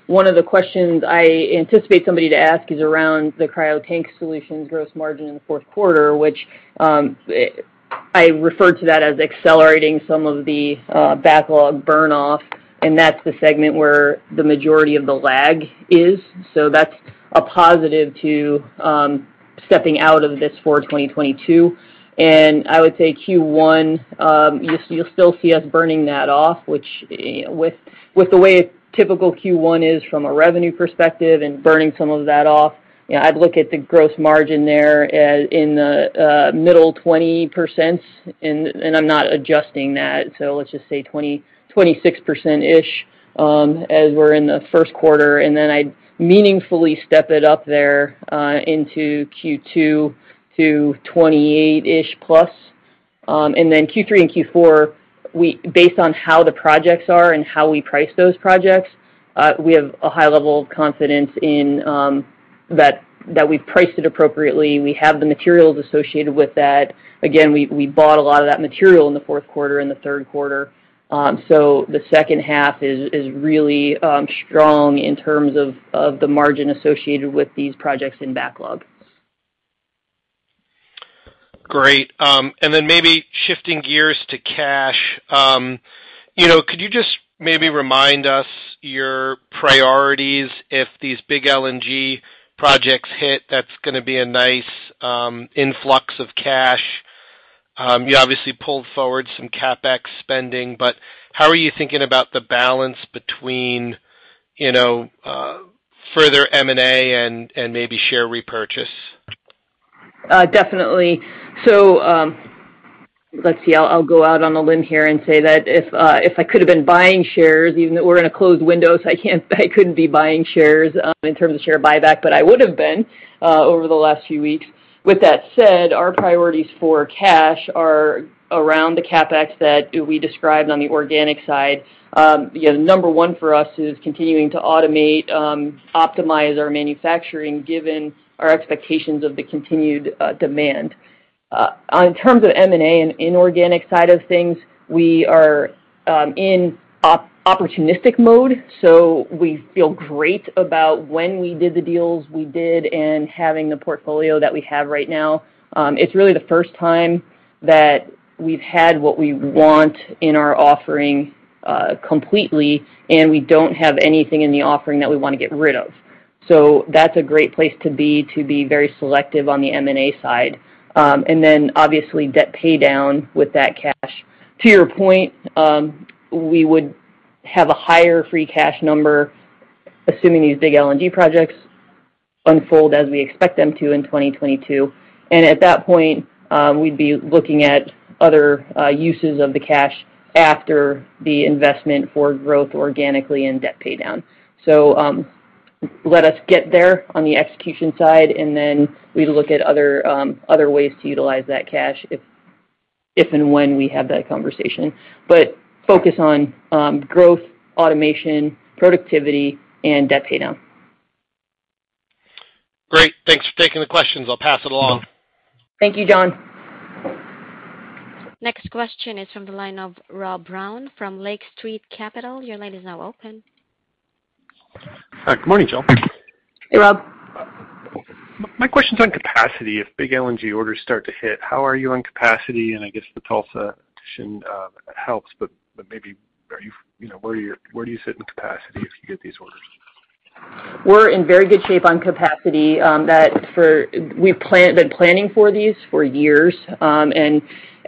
one of the questions I anticipate somebody to ask is around the Cryo Tank Solutions gross margin in the fourth quarter, which I referred to that as accelerating some of the backlog burn off, and that's the segment where the majority of the lag is. That's a positive to stepping out of this for 2022. I would say Q1, you'll still see us burning that off, which with the way a typical Q1 is from a revenue perspective and burning some of that off, I'd look at the gross margin there as in the middle 20%. I'm not adjusting that. Let's just say 26%-ish as we're in the first quarter, and then I'd meaningfully step it up there into Q2 to 28%-ish plus. Q3 and Q4, we based on how the projects are and how we price those projects, we have a high level of confidence in that we've priced it appropriately. We have the materials associated with that. Again, we bought a lot of that material in the fourth quarter and the third quarter. The second half is really strong in terms of the margin associated with these projects in backlog. Great. Maybe shifting gears to cash, you know, could you just maybe remind us your priorities if these big LNG projects hit, that's gonna be a nice influx of cash. You obviously pulled forward some CapEx spending, but how are you thinking about the balance between, you know, further M&A and maybe share repurchase? Definitely. Let's see. I'll go out on a limb here and say that if I could have been buying shares, even though we're in a closed window, so I can't. I couldn't be buying shares in terms of share buyback, but I would have been over the last few weeks. With that said, our priorities for cash are around the CapEx that we described on the organic side. You know, number one for us is continuing to automate, optimize our manufacturing given our expectations of the continued demand. In terms of M&A and inorganic side of things, we are in opportunistic mode, so we feel great about when we did the deals we did and having the portfolio that we have right now. It's really the first time that we've had what we want in our offering, completely, and we don't have anything in the offering that we wanna get rid of. That's a great place to be very selective on the M&A side. Then obviously, debt pay down with that cash. To your point, we would have a higher free cash number assuming these big LNG projects unfold as we expect them to in 2022. At that point, we'd be looking at other uses of the cash after the investment for growth organically and debt pay down. Let us get there on the execution side, and then we look at other ways to utilize that cash if and when we have that conversation. Focus on growth, automation, productivity, and debt pay down. Great. Thanks for taking the questions. I'll pass it along. Thank you, John. Next question is from the line of Rob Brown from Lake Street Capital. Your line is now open. Hi. Good morning, Jill. Hey, Rob. My question's on capacity. If big LNG orders start to hit, how are you on capacity? I guess the Tulsa addition helps, but maybe you know, where do you sit in capacity if you get these orders? We're in very good shape on capacity. We've been planning for these for years.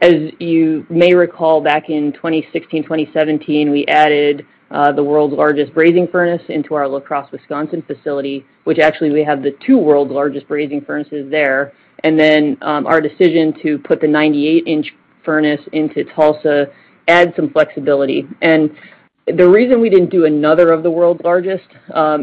As you may recall back in 2016, 2017, we added the world's largest brazing furnace into our La Crosse, Wisconsin facility, which actually we have the two world's largest brazing furnaces there. Our decision to put the 98-inch furnace into Tulsa adds some flexibility. The reason we didn't do another of the world's largest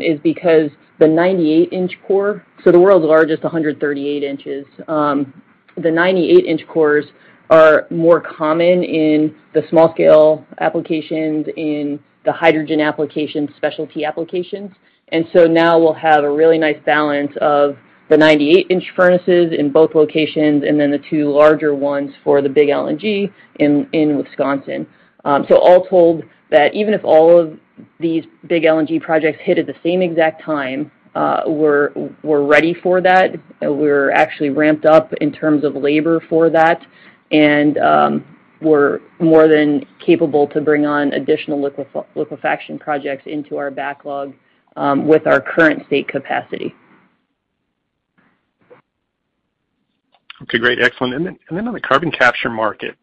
is because the 98-inch core. So the world's largest 138 inches. The 98-inch cores are more common in the small scale applications, in the hydrogen applications, specialty applications. Now we'll have a really nice balance of the 98-inch furnaces in both locations, and then the two larger ones for the big LNG in Wisconsin. All told that even if all of these big LNG projects hit at the same exact time, we're ready for that. We're actually ramped up in terms of labor for that, and we're more than capable to bring on additional liquefaction projects into our backlog with our current state capacity. Okay, great. Excellent. On the carbon capture market,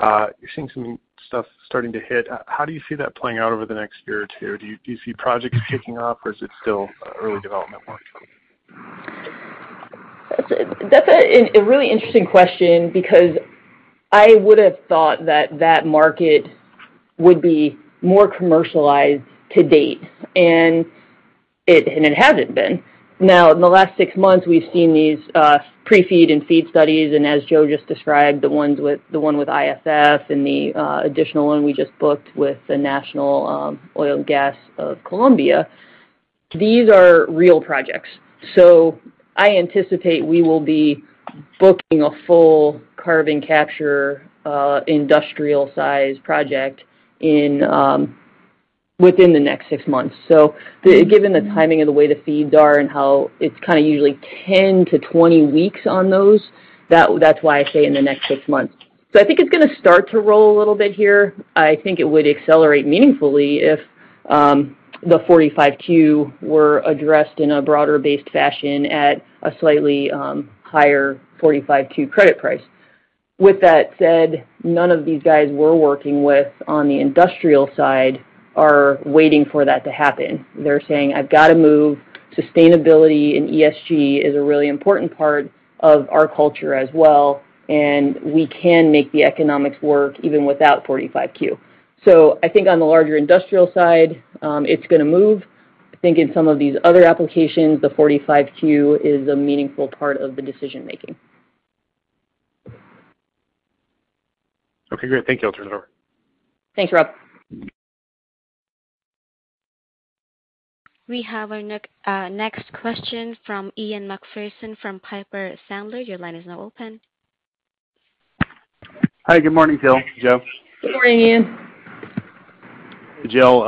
you're seeing some stuff starting to hit. How do you see that playing out over the next year or two? Do you see projects kicking off, or is it still early development work? That's a really interesting question because I would have thought that that market would be more commercialized to date, and it hasn't been. In the last six months, we've seen these pre-feed and feed studies, and as Joe just described, the one with ISF and the additional one we just booked with the national oil and gas of Colombia. These are real projects. I anticipate we will be booking a full carbon capture industrial-size project within the next six months. Given the timing of the way the feeds are and how it's kinda usually 10-20 weeks on those, that's why I say in the next six months. I think it's gonna start to roll a little bit here. I think it would accelerate meaningfully if the 45Q were addressed in a broader-based fashion at a slightly higher 45Q credit price. With that said, none of these guys we're working with on the industrial side are waiting for that to happen. They're saying, "I've got to move. Sustainability and ESG is a really important part of our culture as well, and we can make the economics work even without 45Q." I think on the larger industrial side, it's gonna move. I think in some of these other applications, the 45Q is a meaningful part of the decision-making. Okay, great. Thank you. I'll turn it over. Thanks, Rob. We have our next question from Ian Macpherson from Piper Sandler. Your line is now open. Hi. Good morning, Jill. Good morning, Ian. Jill,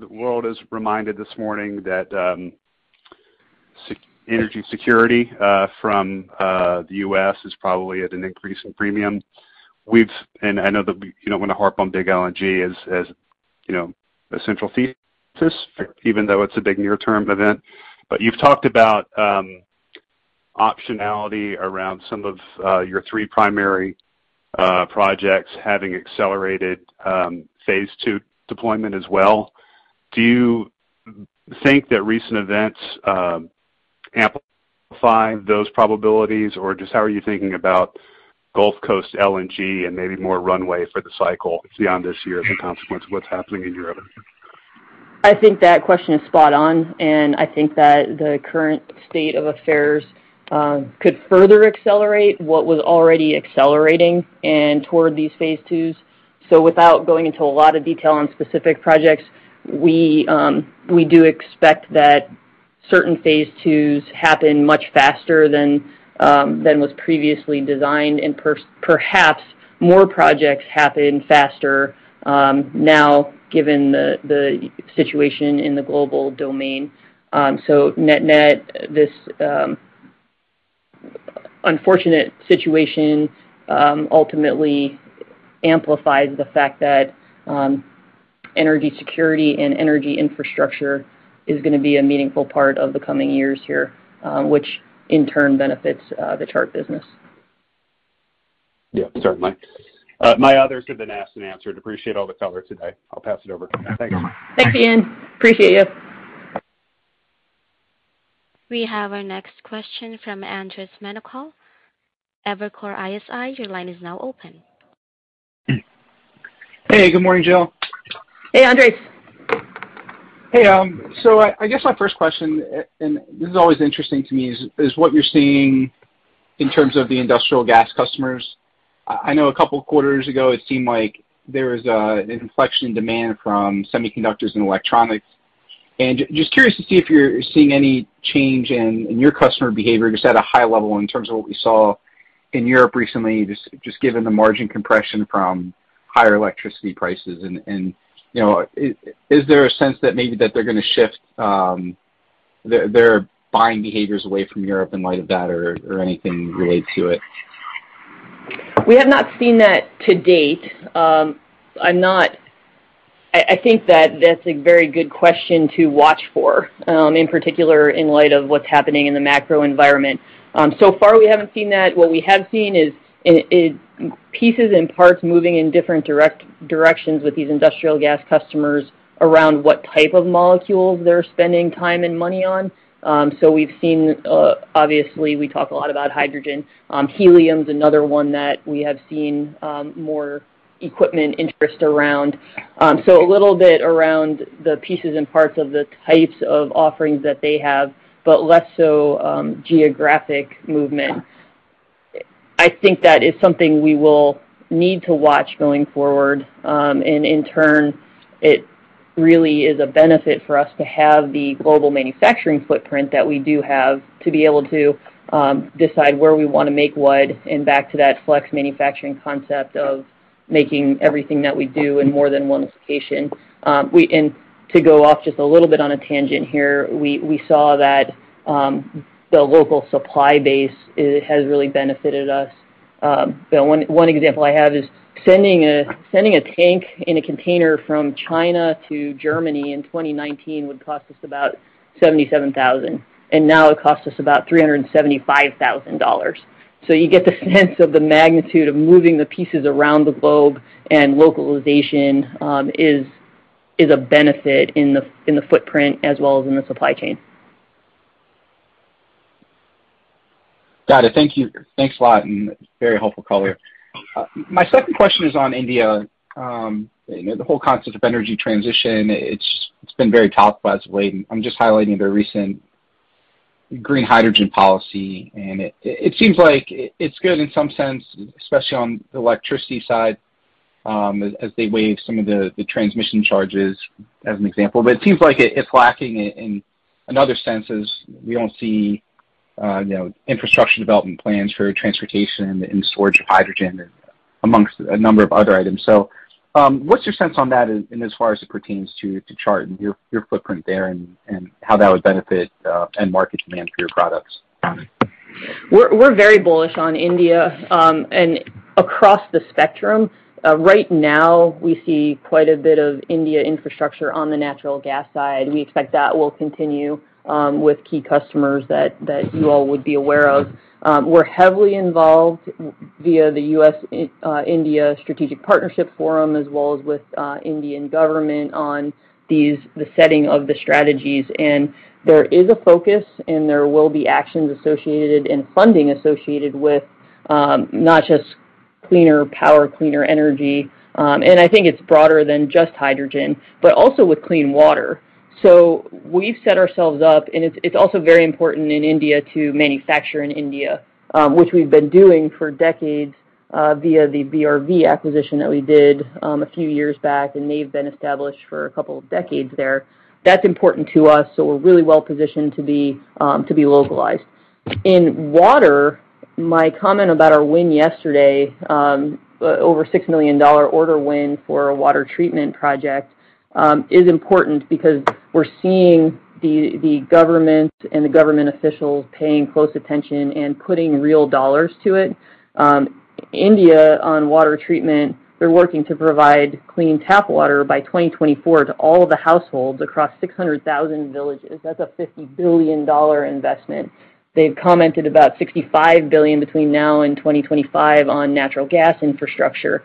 the world is reminded this morning that energy security from the U.S. is probably at an increase in premium. I know that you don't wanna harp on big LNG as, you know, a central thesis, even though it's a big near-term event. You've talked about optionality around some of your three primary projects having accelerated phase two deployment as well. Do you think that recent events amplify those probabilities? Or just how are you thinking about Gulf Coast LNG and maybe more runway for the cycle beyond this year as a consequence of what's happening in Europe? I think that question is spot on, and I think that the current state of affairs could further accelerate what was already accelerating and toward these phase twos. Without going into a lot of detail on specific projects, we do expect that certain phase twos happen much faster than was previously designed, and perhaps more projects happen faster now given the situation in the global domain. Net-net, this unfortunate situation ultimately amplifies the fact that energy security and energy infrastructure is gonna be a meaningful part of the coming years here, which in turn benefits the Chart business. Yeah, certainly. My others have been asked and answered. Appreciate all the color today. I'll pass it over. Thank you. Thanks, Ian. Appreciate you. We have our next question from Andres Menocal, Evercore ISI. Your line is now open. Hey. Good morning, Jill. Hey, Andres. Hey. So I guess my first question, and this is always interesting to me, is what you're seeing in terms of the industrial gas customers. I know a couple quarters ago it seemed like there was an inflection demand from semiconductors and electronics. Just curious to see if you're seeing any change in your customer behavior, just at a high level in terms of what we saw in Europe recently, just given the margin compression from higher electricity prices and, you know, is there a sense that maybe that they're gonna shift their buying behaviors away from Europe in light of that or anything related to it? We have not seen that to date. I think that's a very good question to watch for, in particular in light of what's happening in the macro environment. So far we haven't seen that. What we have seen is pieces and parts moving in different directions with these industrial gas customers around what type of molecules they're spending time and money on. We've seen, obviously we talk a lot about hydrogen. Helium's another one that we have seen more equipment interest around. A little bit around the pieces and parts of the types of offerings that they have, but less so geographic movement. I think that is something we will need to watch going forward. In turn, it really is a benefit for us to have the global manufacturing footprint that we do have to be able to decide where we wanna make what and back to that flex manufacturing concept of making everything that we do in more than one location. To go off just a little bit on a tangent here, we saw that the local supply base has really benefited us. One example I have is sending a tank in a container from China to Germany in 2019 would cost us about $77,000, and now it costs us about $375,000. You get the sense of the magnitude of moving the pieces around the globe and localization is a benefit in the footprint as well as in the supply chain. Got it. Thank you. Thanks a lot, and very helpful color. My second question is on India. You know, the whole concept of energy transition, it's been very topical as of late. I'm just highlighting their recent green hydrogen policy, and it seems like it's good in some sense, especially on the electricity side, as they waive some of the transmission charges, as an example. But it seems like it's lacking in other senses. We don't see, you know, infrastructure development plans for transportation and storage of hydrogen among a number of other items. What's your sense on that as far as it pertains to Chart and your footprint there and how that would benefit end market demand for your products? We're very bullish on India and across the spectrum. Right now we see quite a bit of India infrastructure on the natural gas side. We expect that will continue with key customers that you all would be aware of. We're heavily involved via the US-India Strategic Partnership Forum, as well as with Indian government on the setting of the strategies. There is a focus, and there will be actions associated and funding associated with not just cleaner power, cleaner energy, and I think it's broader than just hydrogen, but also with clean water. We've set ourselves up, and it's also very important in India to manufacture in India, which we've been doing for decades, via the VRV acquisition that we did, a few years back, and they've been established for a couple of decades there. That's important to us, so we're really well positioned to be localized. In water, my comment about our win yesterday, over $6 million order win for a water treatment project, is important because we're seeing the government and the government officials paying close attention and putting real dollars to it. India, on water treatment, they're working to provide clean tap water by 2024 to all of the households across 600,000 villages. That's a $50 billion investment. They've commented about $65 billion between now and 2025 on natural gas infrastructure.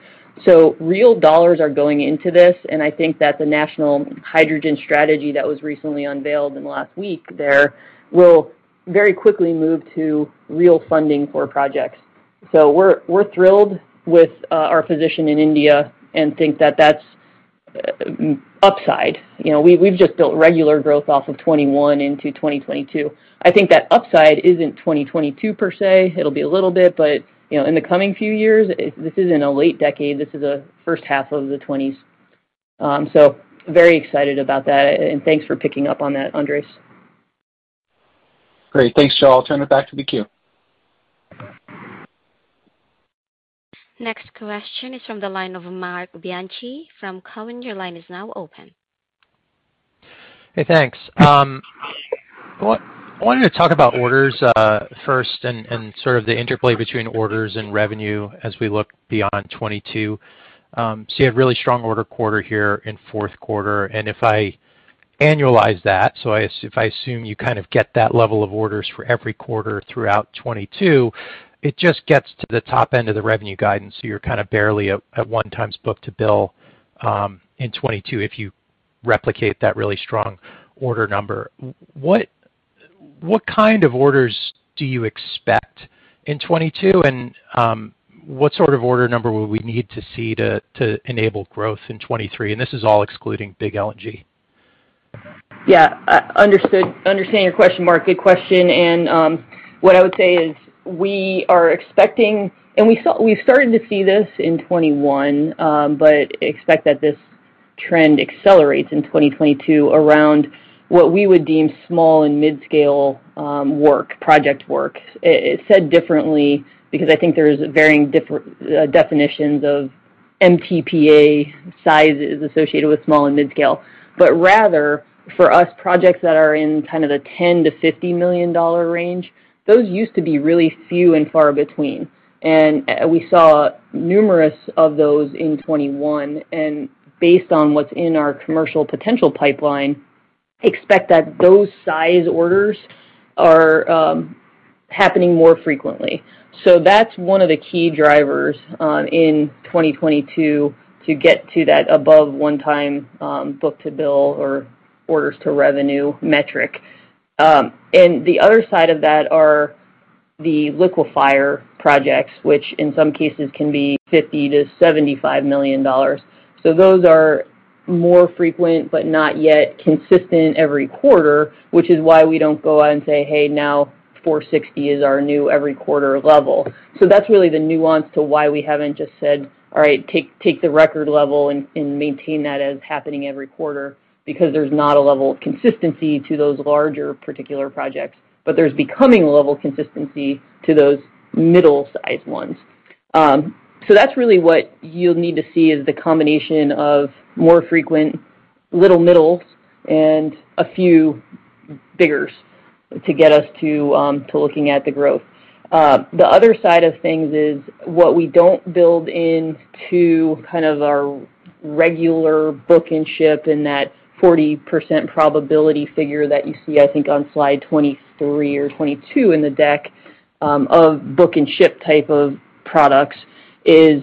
Real dollars are going into this, and I think that the national hydrogen strategy that was recently unveiled in the last week there will very quickly move to real funding for projects. We're thrilled with our position in India and think that that's upside. We've just built regular growth off of 2021 into 2022. I think that upside isn't 2022 per se. It'll be a little bit. In the coming few years, this isn't a late decade, this is a first half of the twenties. Very excited about that, and thanks for picking up on that, Andres. Great. Thanks, y'all. I'll turn it back to the queue. Next question is from the line of Marc Bianchi from Cowen. Your line is now open. Hey, thanks. Wanted to talk about orders first and sort of the interplay between orders and revenue as we look beyond 2022. So you had really strong order quarter here in fourth quarter, and if I annualize that, if I assume you kind of get that level of orders for every quarter throughout 2022, it just gets to the top end of the revenue guidance. You're kind of barely at 1x book-to-bill in 2022 if you replicate that really strong order number. What kind of orders do you expect in 2022? And what sort of order number would we need to see to enable growth in 2023? This is all excluding big LNG. Yeah. Understood your question, Marc. Good question. What I would say is we are expecting, and we saw we've started to see this in 2021, but expect that this trend accelerates in 2022 around what we would deem small and mid-scale work, project work. Said differently because I think there's varying definitions of MTPA sizes associated with small and mid-scale. Rather for us, projects that are in kind of the $10 million-$50 million range, those used to be really few and far between. We saw numerous of those in 2021, and based on what's in our commercial potential pipeline, expect that those size orders are happening more frequently. That's one of the key drivers in 2022 to get to that above 1x book to bill or orders to revenue metric. The other side of that are the liquefier projects, which in some cases can be $50 million-$75 million. Those are more frequent, but not yet consistent every quarter, which is why we don't go out and say, "Hey, now 460 is our new every quarter level." That's really the nuance to why we haven't just said, "All right, take the record level and maintain that as happening every quarter," because there's not a level of consistency to those larger particular projects. There's becoming a level of consistency to those middle-sized ones. That's really what you'll need to see is the combination of more frequent little middles and a few biggers to get us to looking at the growth. The other side of things is what we don't build into kind of our regular book and ship in that 40% probability figure that you see, I think on slide 23 or 22 in the deck, of book and ship type of products is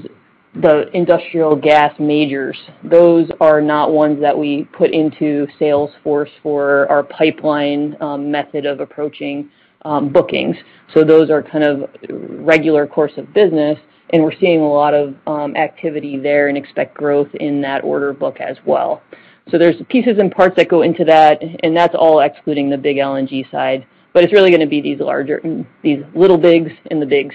the industrial gas majors. Those are not ones that we put into Salesforce for our pipeline, method of approaching, bookings. Those are kind of regular course of business, and we're seeing a lot of activity there and expect growth in that order book as well. There's pieces and parts that go into that, and that's all excluding the big LNG side. It's really gonna be these little bigs and the bigs.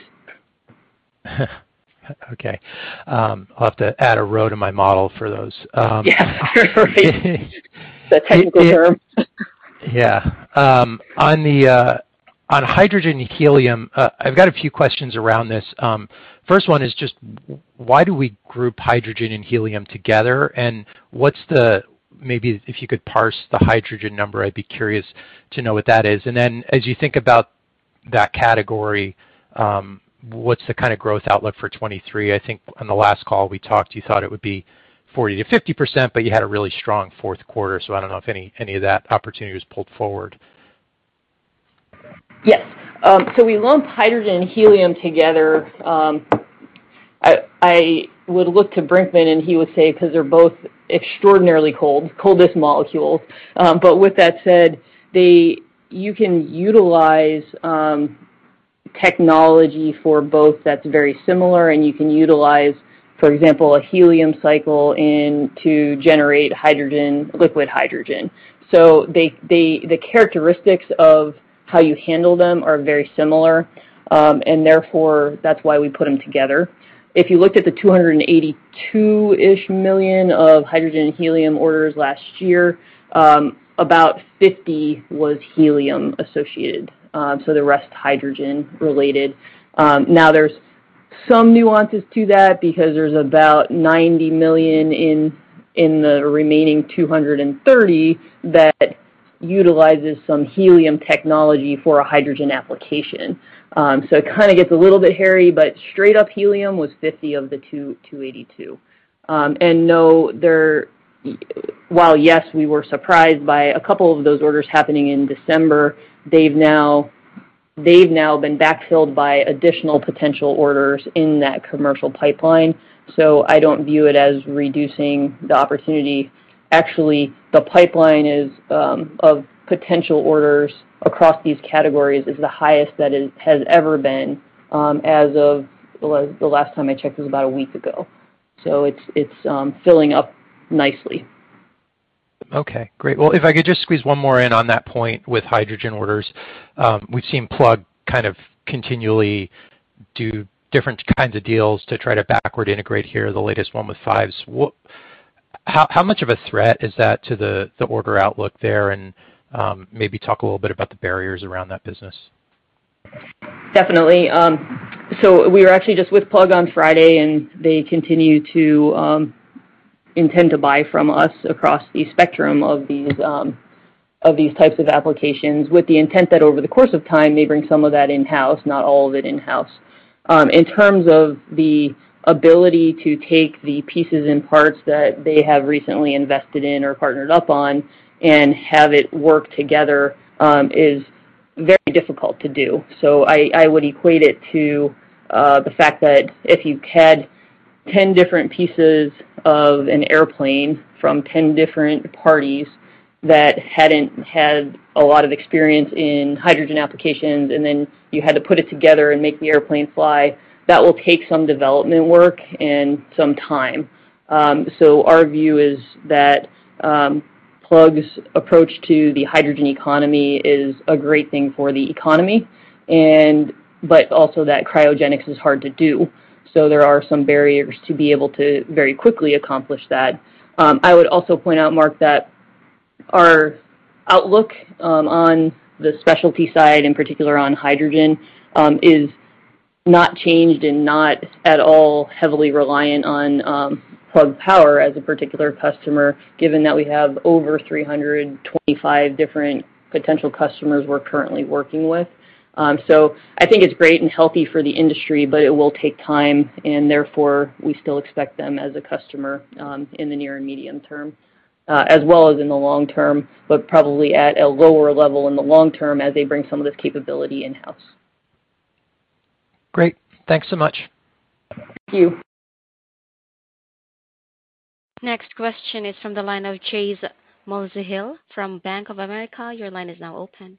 Okay. I'll have to add a row to my model for those. Yeah. That technical term. Yeah. On hydrogen helium, I've got a few questions around this. First one is just why do we group hydrogen and helium together? And what's the maybe if you could parse the hydrogen number, I'd be curious to know what that is. And then as you think about that category, what's the kind of growth outlook for 2023? I think on the last call we talked, you thought it would be 40%-50%, but you had a really strong fourth quarter. I don't know if any of that opportunity was pulled forward. Yes. We lump hydrogen and helium together. I would look to Brinkman, and he would say 'cause they're both extraordinarily cold, coldest molecules. With that said, you can utilize technology for both that's very similar, and you can utilize, for example, a helium cycle to generate hydrogen, liquid hydrogen. The characteristics of how you handle them are very similar, and therefore that's why we put them together. If you looked at the $282-ish million of hydrogen and helium orders last year, about $50 million was helium associated. The rest hydrogen related. Now there's some nuances to that because there's about $90 million in the remaining $230 million that utilizes some helium technology for a hydrogen application. It kind of gets a little bit hairy, but straight up helium was 50% of the $2.282. While yes, we were surprised by a couple of those orders happening in December, they've now been backfilled by additional potential orders in that commercial pipeline. I don't view it as reducing the opportunity. Actually, the pipeline of potential orders across these categories is the highest that it has ever been as of, well, as the last time I checked was about a week ago. It's filling up nicely. Okay, great. Well, if I could just squeeze one more in on that point with hydrogen orders. We've seen Plug Power kind of continually do different kinds of deals to try to backward integrate here, the latest one with Fives. How much of a threat is that to the order outlook there? Maybe talk a little bit about the barriers around that business. Definitely. We were actually just with Plug on Friday, and they continue to intend to buy from us across the spectrum of these types of applications, with the intent that over the course of time, they bring some of that in-house, not all of it in-house. In terms of the ability to take the pieces and parts that they have recently invested in or partnered up on and have it work together, is very difficult to do. I would equate it to the fact that if you had 10 different pieces of an airplane from 10 different parties that hadn't had a lot of experience in hydrogen applications, and then you had to put it together and make the airplane fly, that will take some development work and some time. Our view is that Plug's approach to the hydrogen economy is a great thing for the economy, also that cryogenics is hard to do. There are some barriers to be able to very quickly accomplish that. I would also point out, Marc, that our outlook on the specialty side, in particular on hydrogen, is not changed and not at all heavily reliant on Plug Power as a particular customer, given that we have over 325 different potential customers we're currently working with. I think it's great and healthy for the industry, but it will take time, and therefore, we still expect them as a customer, in the near and medium term, as well as in the long term, but probably at a lower level in the long term as they bring some of this capability in-house. Great. Thanks so much. Thank you. Next question is from the line of Chase Mulvehill from Bank of America. Your line is now open.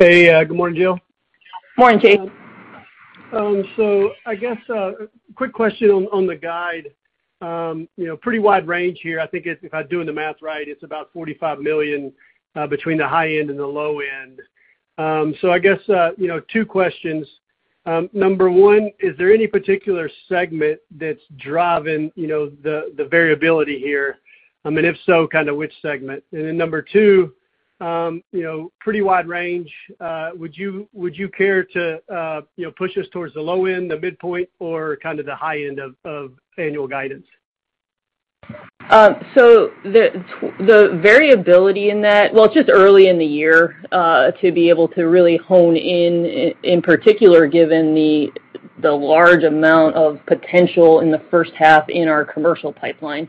Hey, good morning, Jill. Morning, Chase. I guess quick question on the guide. You know, pretty wide range here. I think if I'm doing the math right, it's about $45 million between the high end and the low end. I guess you know, two questions. Number one, is there any particular segment that's driving the variability here? I mean, if so, kind of which segment? And then number two, you know, pretty wide range, would you care to you know, push us towards the low end, the midpoint, or kind of the high end of annual guidance? The variability in that. Well, it's just early in the year to be able to really hone in particular, given the large amount of potential in the first half in our commercial pipeline.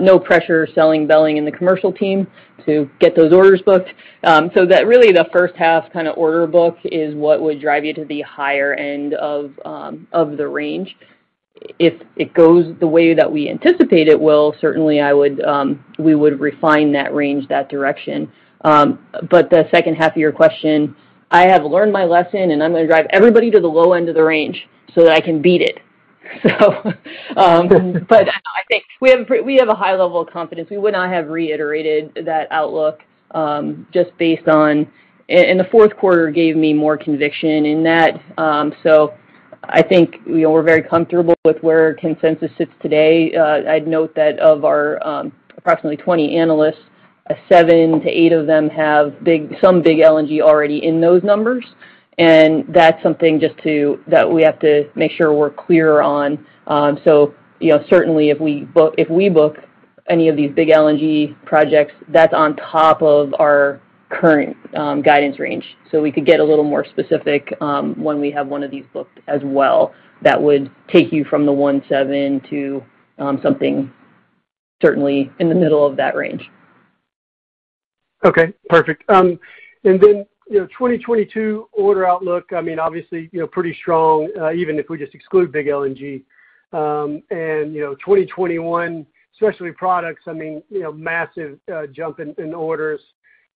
No pressure, but leaning in the commercial team to get those orders booked. That really the first half kind of order book is what would drive you to the higher end of the range. If it goes the way that we anticipate it will, certainly we would refine that range in that direction. The second half of your question, I have learned my lesson, and I'm gonna drive everybody to the low end of the range so that I can beat it. I think we have a high level of confidence. We would not have reiterated that outlook just based on the fourth quarter. That gave me more conviction in that. I think, you know, we're very comfortable with where consensus sits today. I'd note that of our approximately 20 analysts, 7-8 of them have some big LNG already in those numbers. That's something that we have to make sure we're clear on. You know, certainly if we book any of these big LNG projects, that's on top of our current guidance range. We could get a little more specific when we have one of these booked as well. That would take you from the 17 to something certainly in the middle of that range. Okay, perfect. Then, you know, 2022 order outlook, I mean, obviously, you know, pretty strong, even if we just exclude big LNG. You know, 2021 specialty products, I mean, you know, massive jump in orders.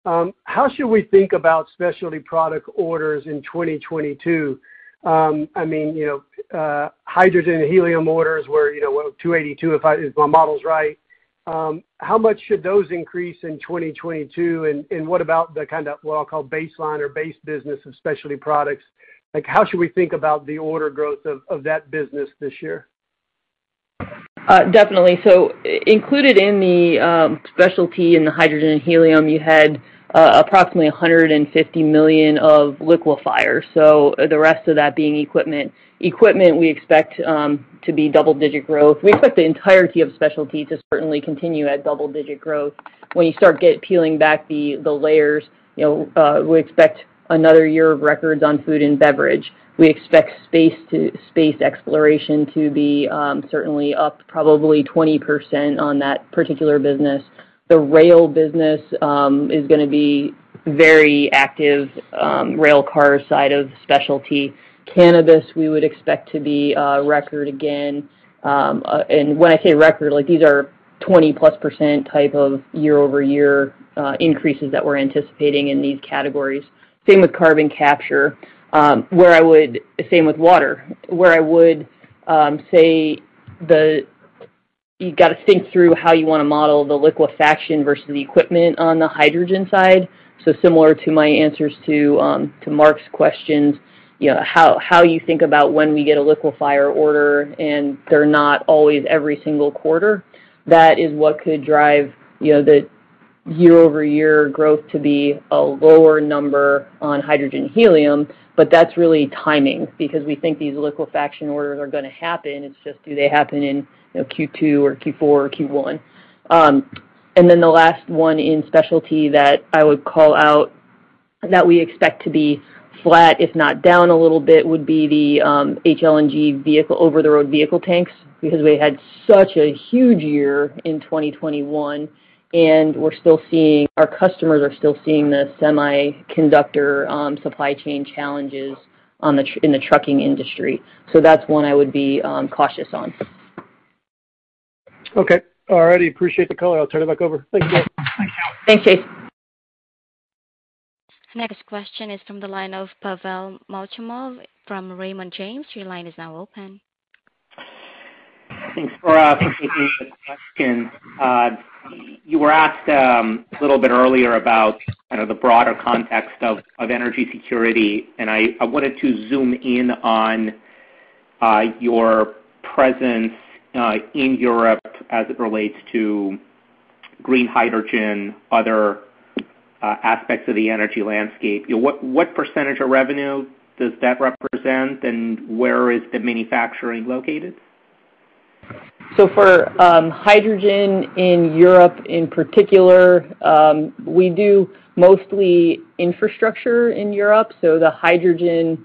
How should we think about specialty product orders in 2022? I mean, you know, hydrogen and helium orders were, you know, what, $282 if my model's right. How much should those increase in 2022, and what about the kinda, what I'll call baseline or base business of specialty products? Like, how should we think about the order growth of that business this year? Definitely. Included in the specialty in the hydrogen and helium, you had approximately $150 million of liquefier. The rest of that being equipment. Equipment, we expect to be double-digit growth. We expect the entirety of specialty to certainly continue at double-digit growth. When you start peeling back the layers, you know, we expect another year of records on food and beverage. We expect space exploration to be certainly up probably 20% on that particular business. The rail business is gonna be very active, rail car side of specialty. Cannabis, we would expect to be record again. And when I say record, like these are 20%+ type of year-over-year increases that we're anticipating in these categories. Same with carbon capture. Where I would... Same with water. You gotta think through how you wanna model the liquefaction versus the equipment on the hydrogen side. Similar to my answers to Marc's questions, you know, how you think about when we get a liquefier order, and they're not always every single quarter. That is what could drive, you know, the year-over-year growth to be a lower number on hydrogen helium, but that's really timing because we think these liquefaction orders are gonna happen. It's just do they happen in, you know, Q2 or Q4 or Q1? The last one in specialty that I would call out that we expect to be flat, if not down a little bit, would be the HLNG over-the-road vehicle tanks because we had such a huge year in 2021, and we're still seeing our customers are still seeing the semiconductor supply chain challenges in the trucking industry. That's one I would be cautious on. Okay. All righty. Appreciate the color. I'll turn it back over. Thank you. Thanks, Chase. Next question is from the line of Pavel Molchanov from Raymond James. Your line is now open. Thanks for taking the question. You were asked a little bit earlier about kind of the broader context of energy security, and I wanted to zoom in on your presence in Europe as it relates to green hydrogen, other aspects of the energy landscape. What percentage of revenue does that represent, and where is the manufacturing located? For hydrogen in Europe in particular, we do mostly infrastructure in Europe. The hydrogen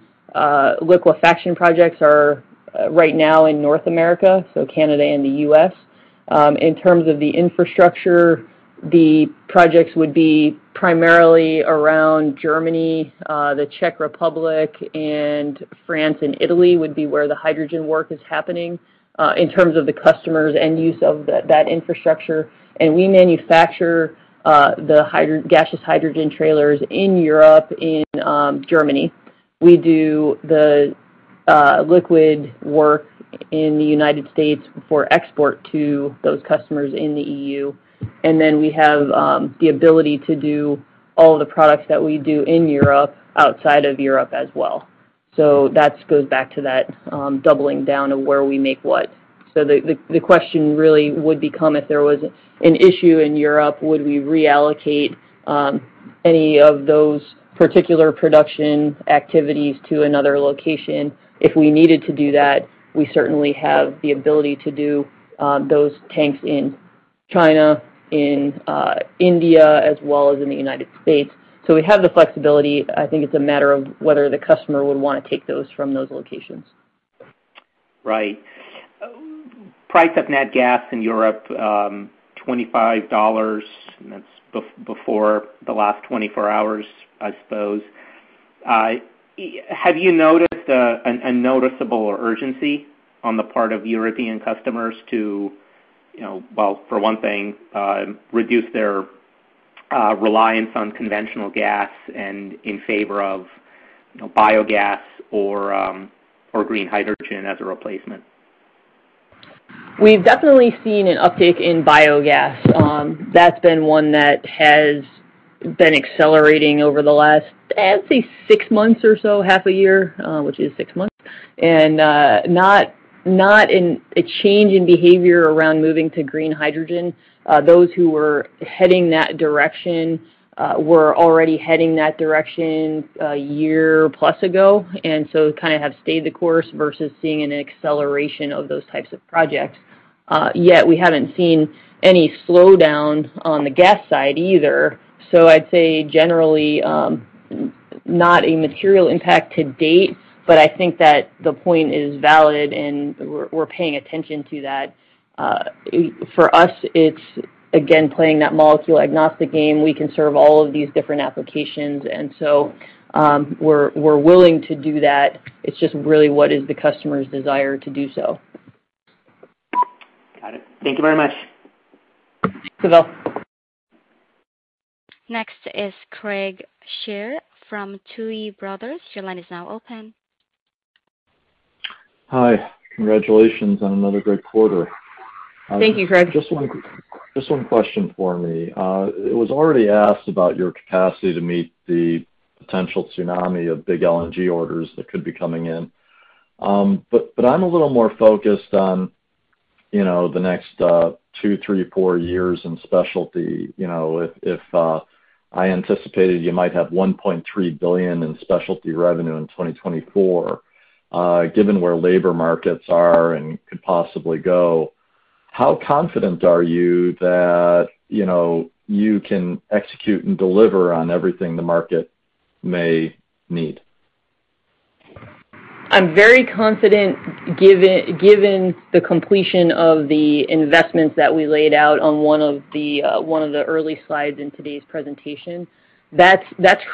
liquefaction projects are right now in North America, Canada and the U.S. In terms of the infrastructure, the projects would be primarily around Germany, the Czech Republic, and France and Italy would be where the hydrogen work is happening, in terms of the customers and use of that infrastructure. We manufacture the gaseous hydrogen trailers in Europe, in Germany. We do the liquid work in the United States for export to those customers in the EU. We have the ability to do all the products that we do in Europe, outside of Europe as well. That goes back to that doubling down to where we make what. The question really would become if there was an issue in Europe, would we reallocate any of those particular production activities to another location? If we needed to do that, we certainly have the ability to do those tanks in China, in India, as well as in the United States. We have the flexibility. I think it's a matter of whether the customer would wanna take those from those locations. Right. Price of natural gas in Europe $25, and that's before the last 24 hours, I suppose. Have you noticed a noticeable urgency on the part of European customers to, you know, well, for one thing, reduce their reliance on conventional gas and in favor of, you know, biogas or green hydrogen as a replacement? We've definitely seen an uptick in biogas. That's been one that has been accelerating over the last, I'd say six months or so, half a year, which is six months, not in a change in behavior around moving to green hydrogen. Those who were heading that direction were already heading that direction a year plus ago, and so kind of have stayed the course versus seeing an acceleration of those types of projects. Yet we haven't seen any slowdown on the gas side either. I'd say generally, not a material impact to date, but I think that the point is valid, and we're paying attention to that. For us, it's again, playing that molecule-agnostic game. We can serve all of these different applications. We're willing to do that. It's just really what is the customer's desire to do so. Got it. Thank you very much. Thanks, Pavel. Next is Craig Shere from Tuohy Brothers. Your line is now open. Hi. Congratulations on another great quarter. Thank you, Craig. Just one question for me. It was already asked about your capacity to meet the potential tsunami of big LNG orders that could be coming in. I'm a little more focused on, you know, the next two, three, four years in specialty. You know, if I anticipated you might have $1.3 billion in specialty revenue in 2024, given where labor markets are and could possibly go, how confident are you that, you know, you can execute and deliver on everything the market may need? I'm very confident given the completion of the investments that we laid out on one of the early slides in today's presentation. That's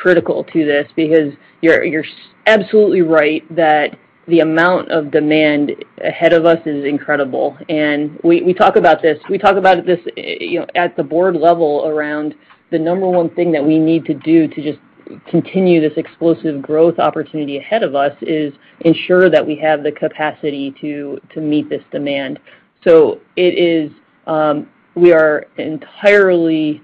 critical to this because you're absolutely right that the amount of demand ahead of us is incredible. We talk about this, you know, at the board level around the number one thing that we need to do to just continue this explosive growth opportunity ahead of us is ensure that we have the capacity to meet this demand. It is. We are entirely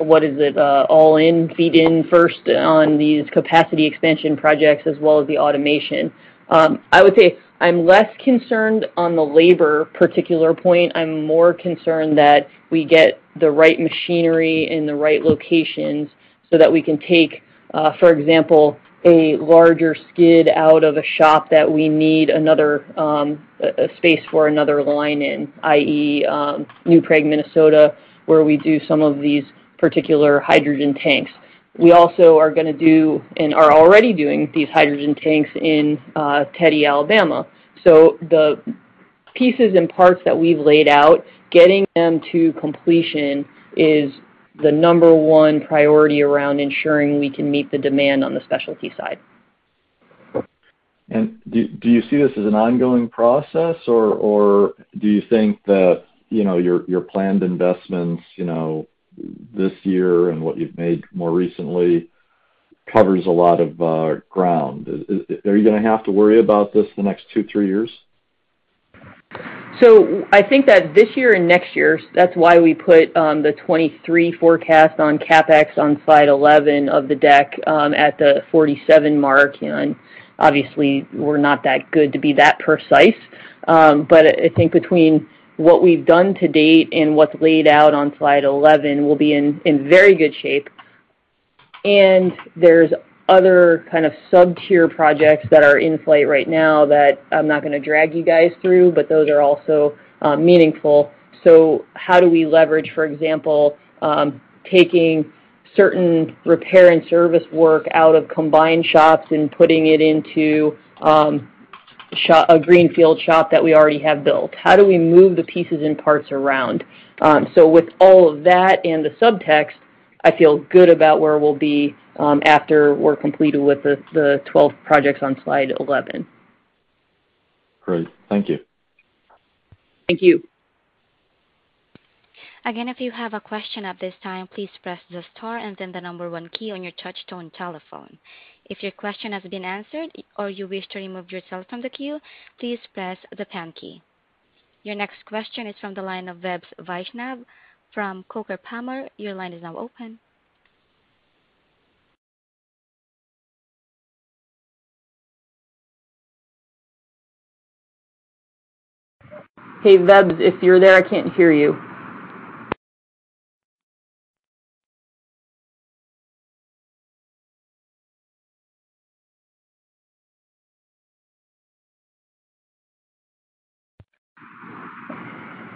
all in, feet first on these capacity expansion projects as well as the automation. I would say I'm less concerned on the labor particular point. I'm more concerned that we get the right machinery in the right locations so that we can take, for example, a larger skid out of a shop that we need another, a space for another line in, i.e., New Prague, Minnesota, where we do some of these particular hydrogen tanks. We also are gonna do, and are already doing these hydrogen tanks in, Theodore, Alabama. The pieces and parts that we've laid out, getting them to completion is the number one priority around ensuring we can meet the demand on the specialty side. Do you see this as an ongoing process or do you think that, you know, your planned investments, you know, this year and what you've made more recently covers a lot of ground? Are you gonna have to worry about this the next 2-3 years? I think that this year and next year, that's why we put the 2023 forecast on CapEx on slide 11 of the deck at the $47 million mark. You know, obviously we're not that good to be that precise. I think between what we've done to date and what's laid out on slide 11, we'll be in very good shape. There's other kind of sub-tier projects that are in flight right now that I'm not gonna drag you guys through, but those are also meaningful. How do we leverage, for example, taking certain repair and service work out of combined shops and putting it into a greenfield shop that we already have built? How do we move the pieces and parts around? With all of that and the subtext, I feel good about where we'll be after we're completed with the 12 projects on slide 11. Great. Thank you. Thank you. Again, if you have a question at this time, please press the star and then the number one key on your touch tone telephone. If your question has been answered or you wish to remove yourself from the queue, please press the pound key. Your next question is from the line of Vaibhav Vaishnav from Coker & Palmer. Your line is now open. Hey, Vebs, if you're there, I can't hear you.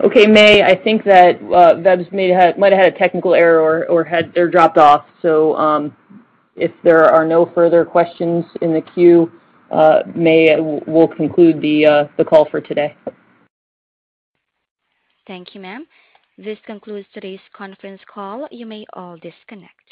Okay, May, I think that Vebs might have had a technical error or dropped off. If there are no further questions in the queue, May, we'll conclude the call for today. Thank you, ma'am. This concludes today's conference call. You may all disconnect.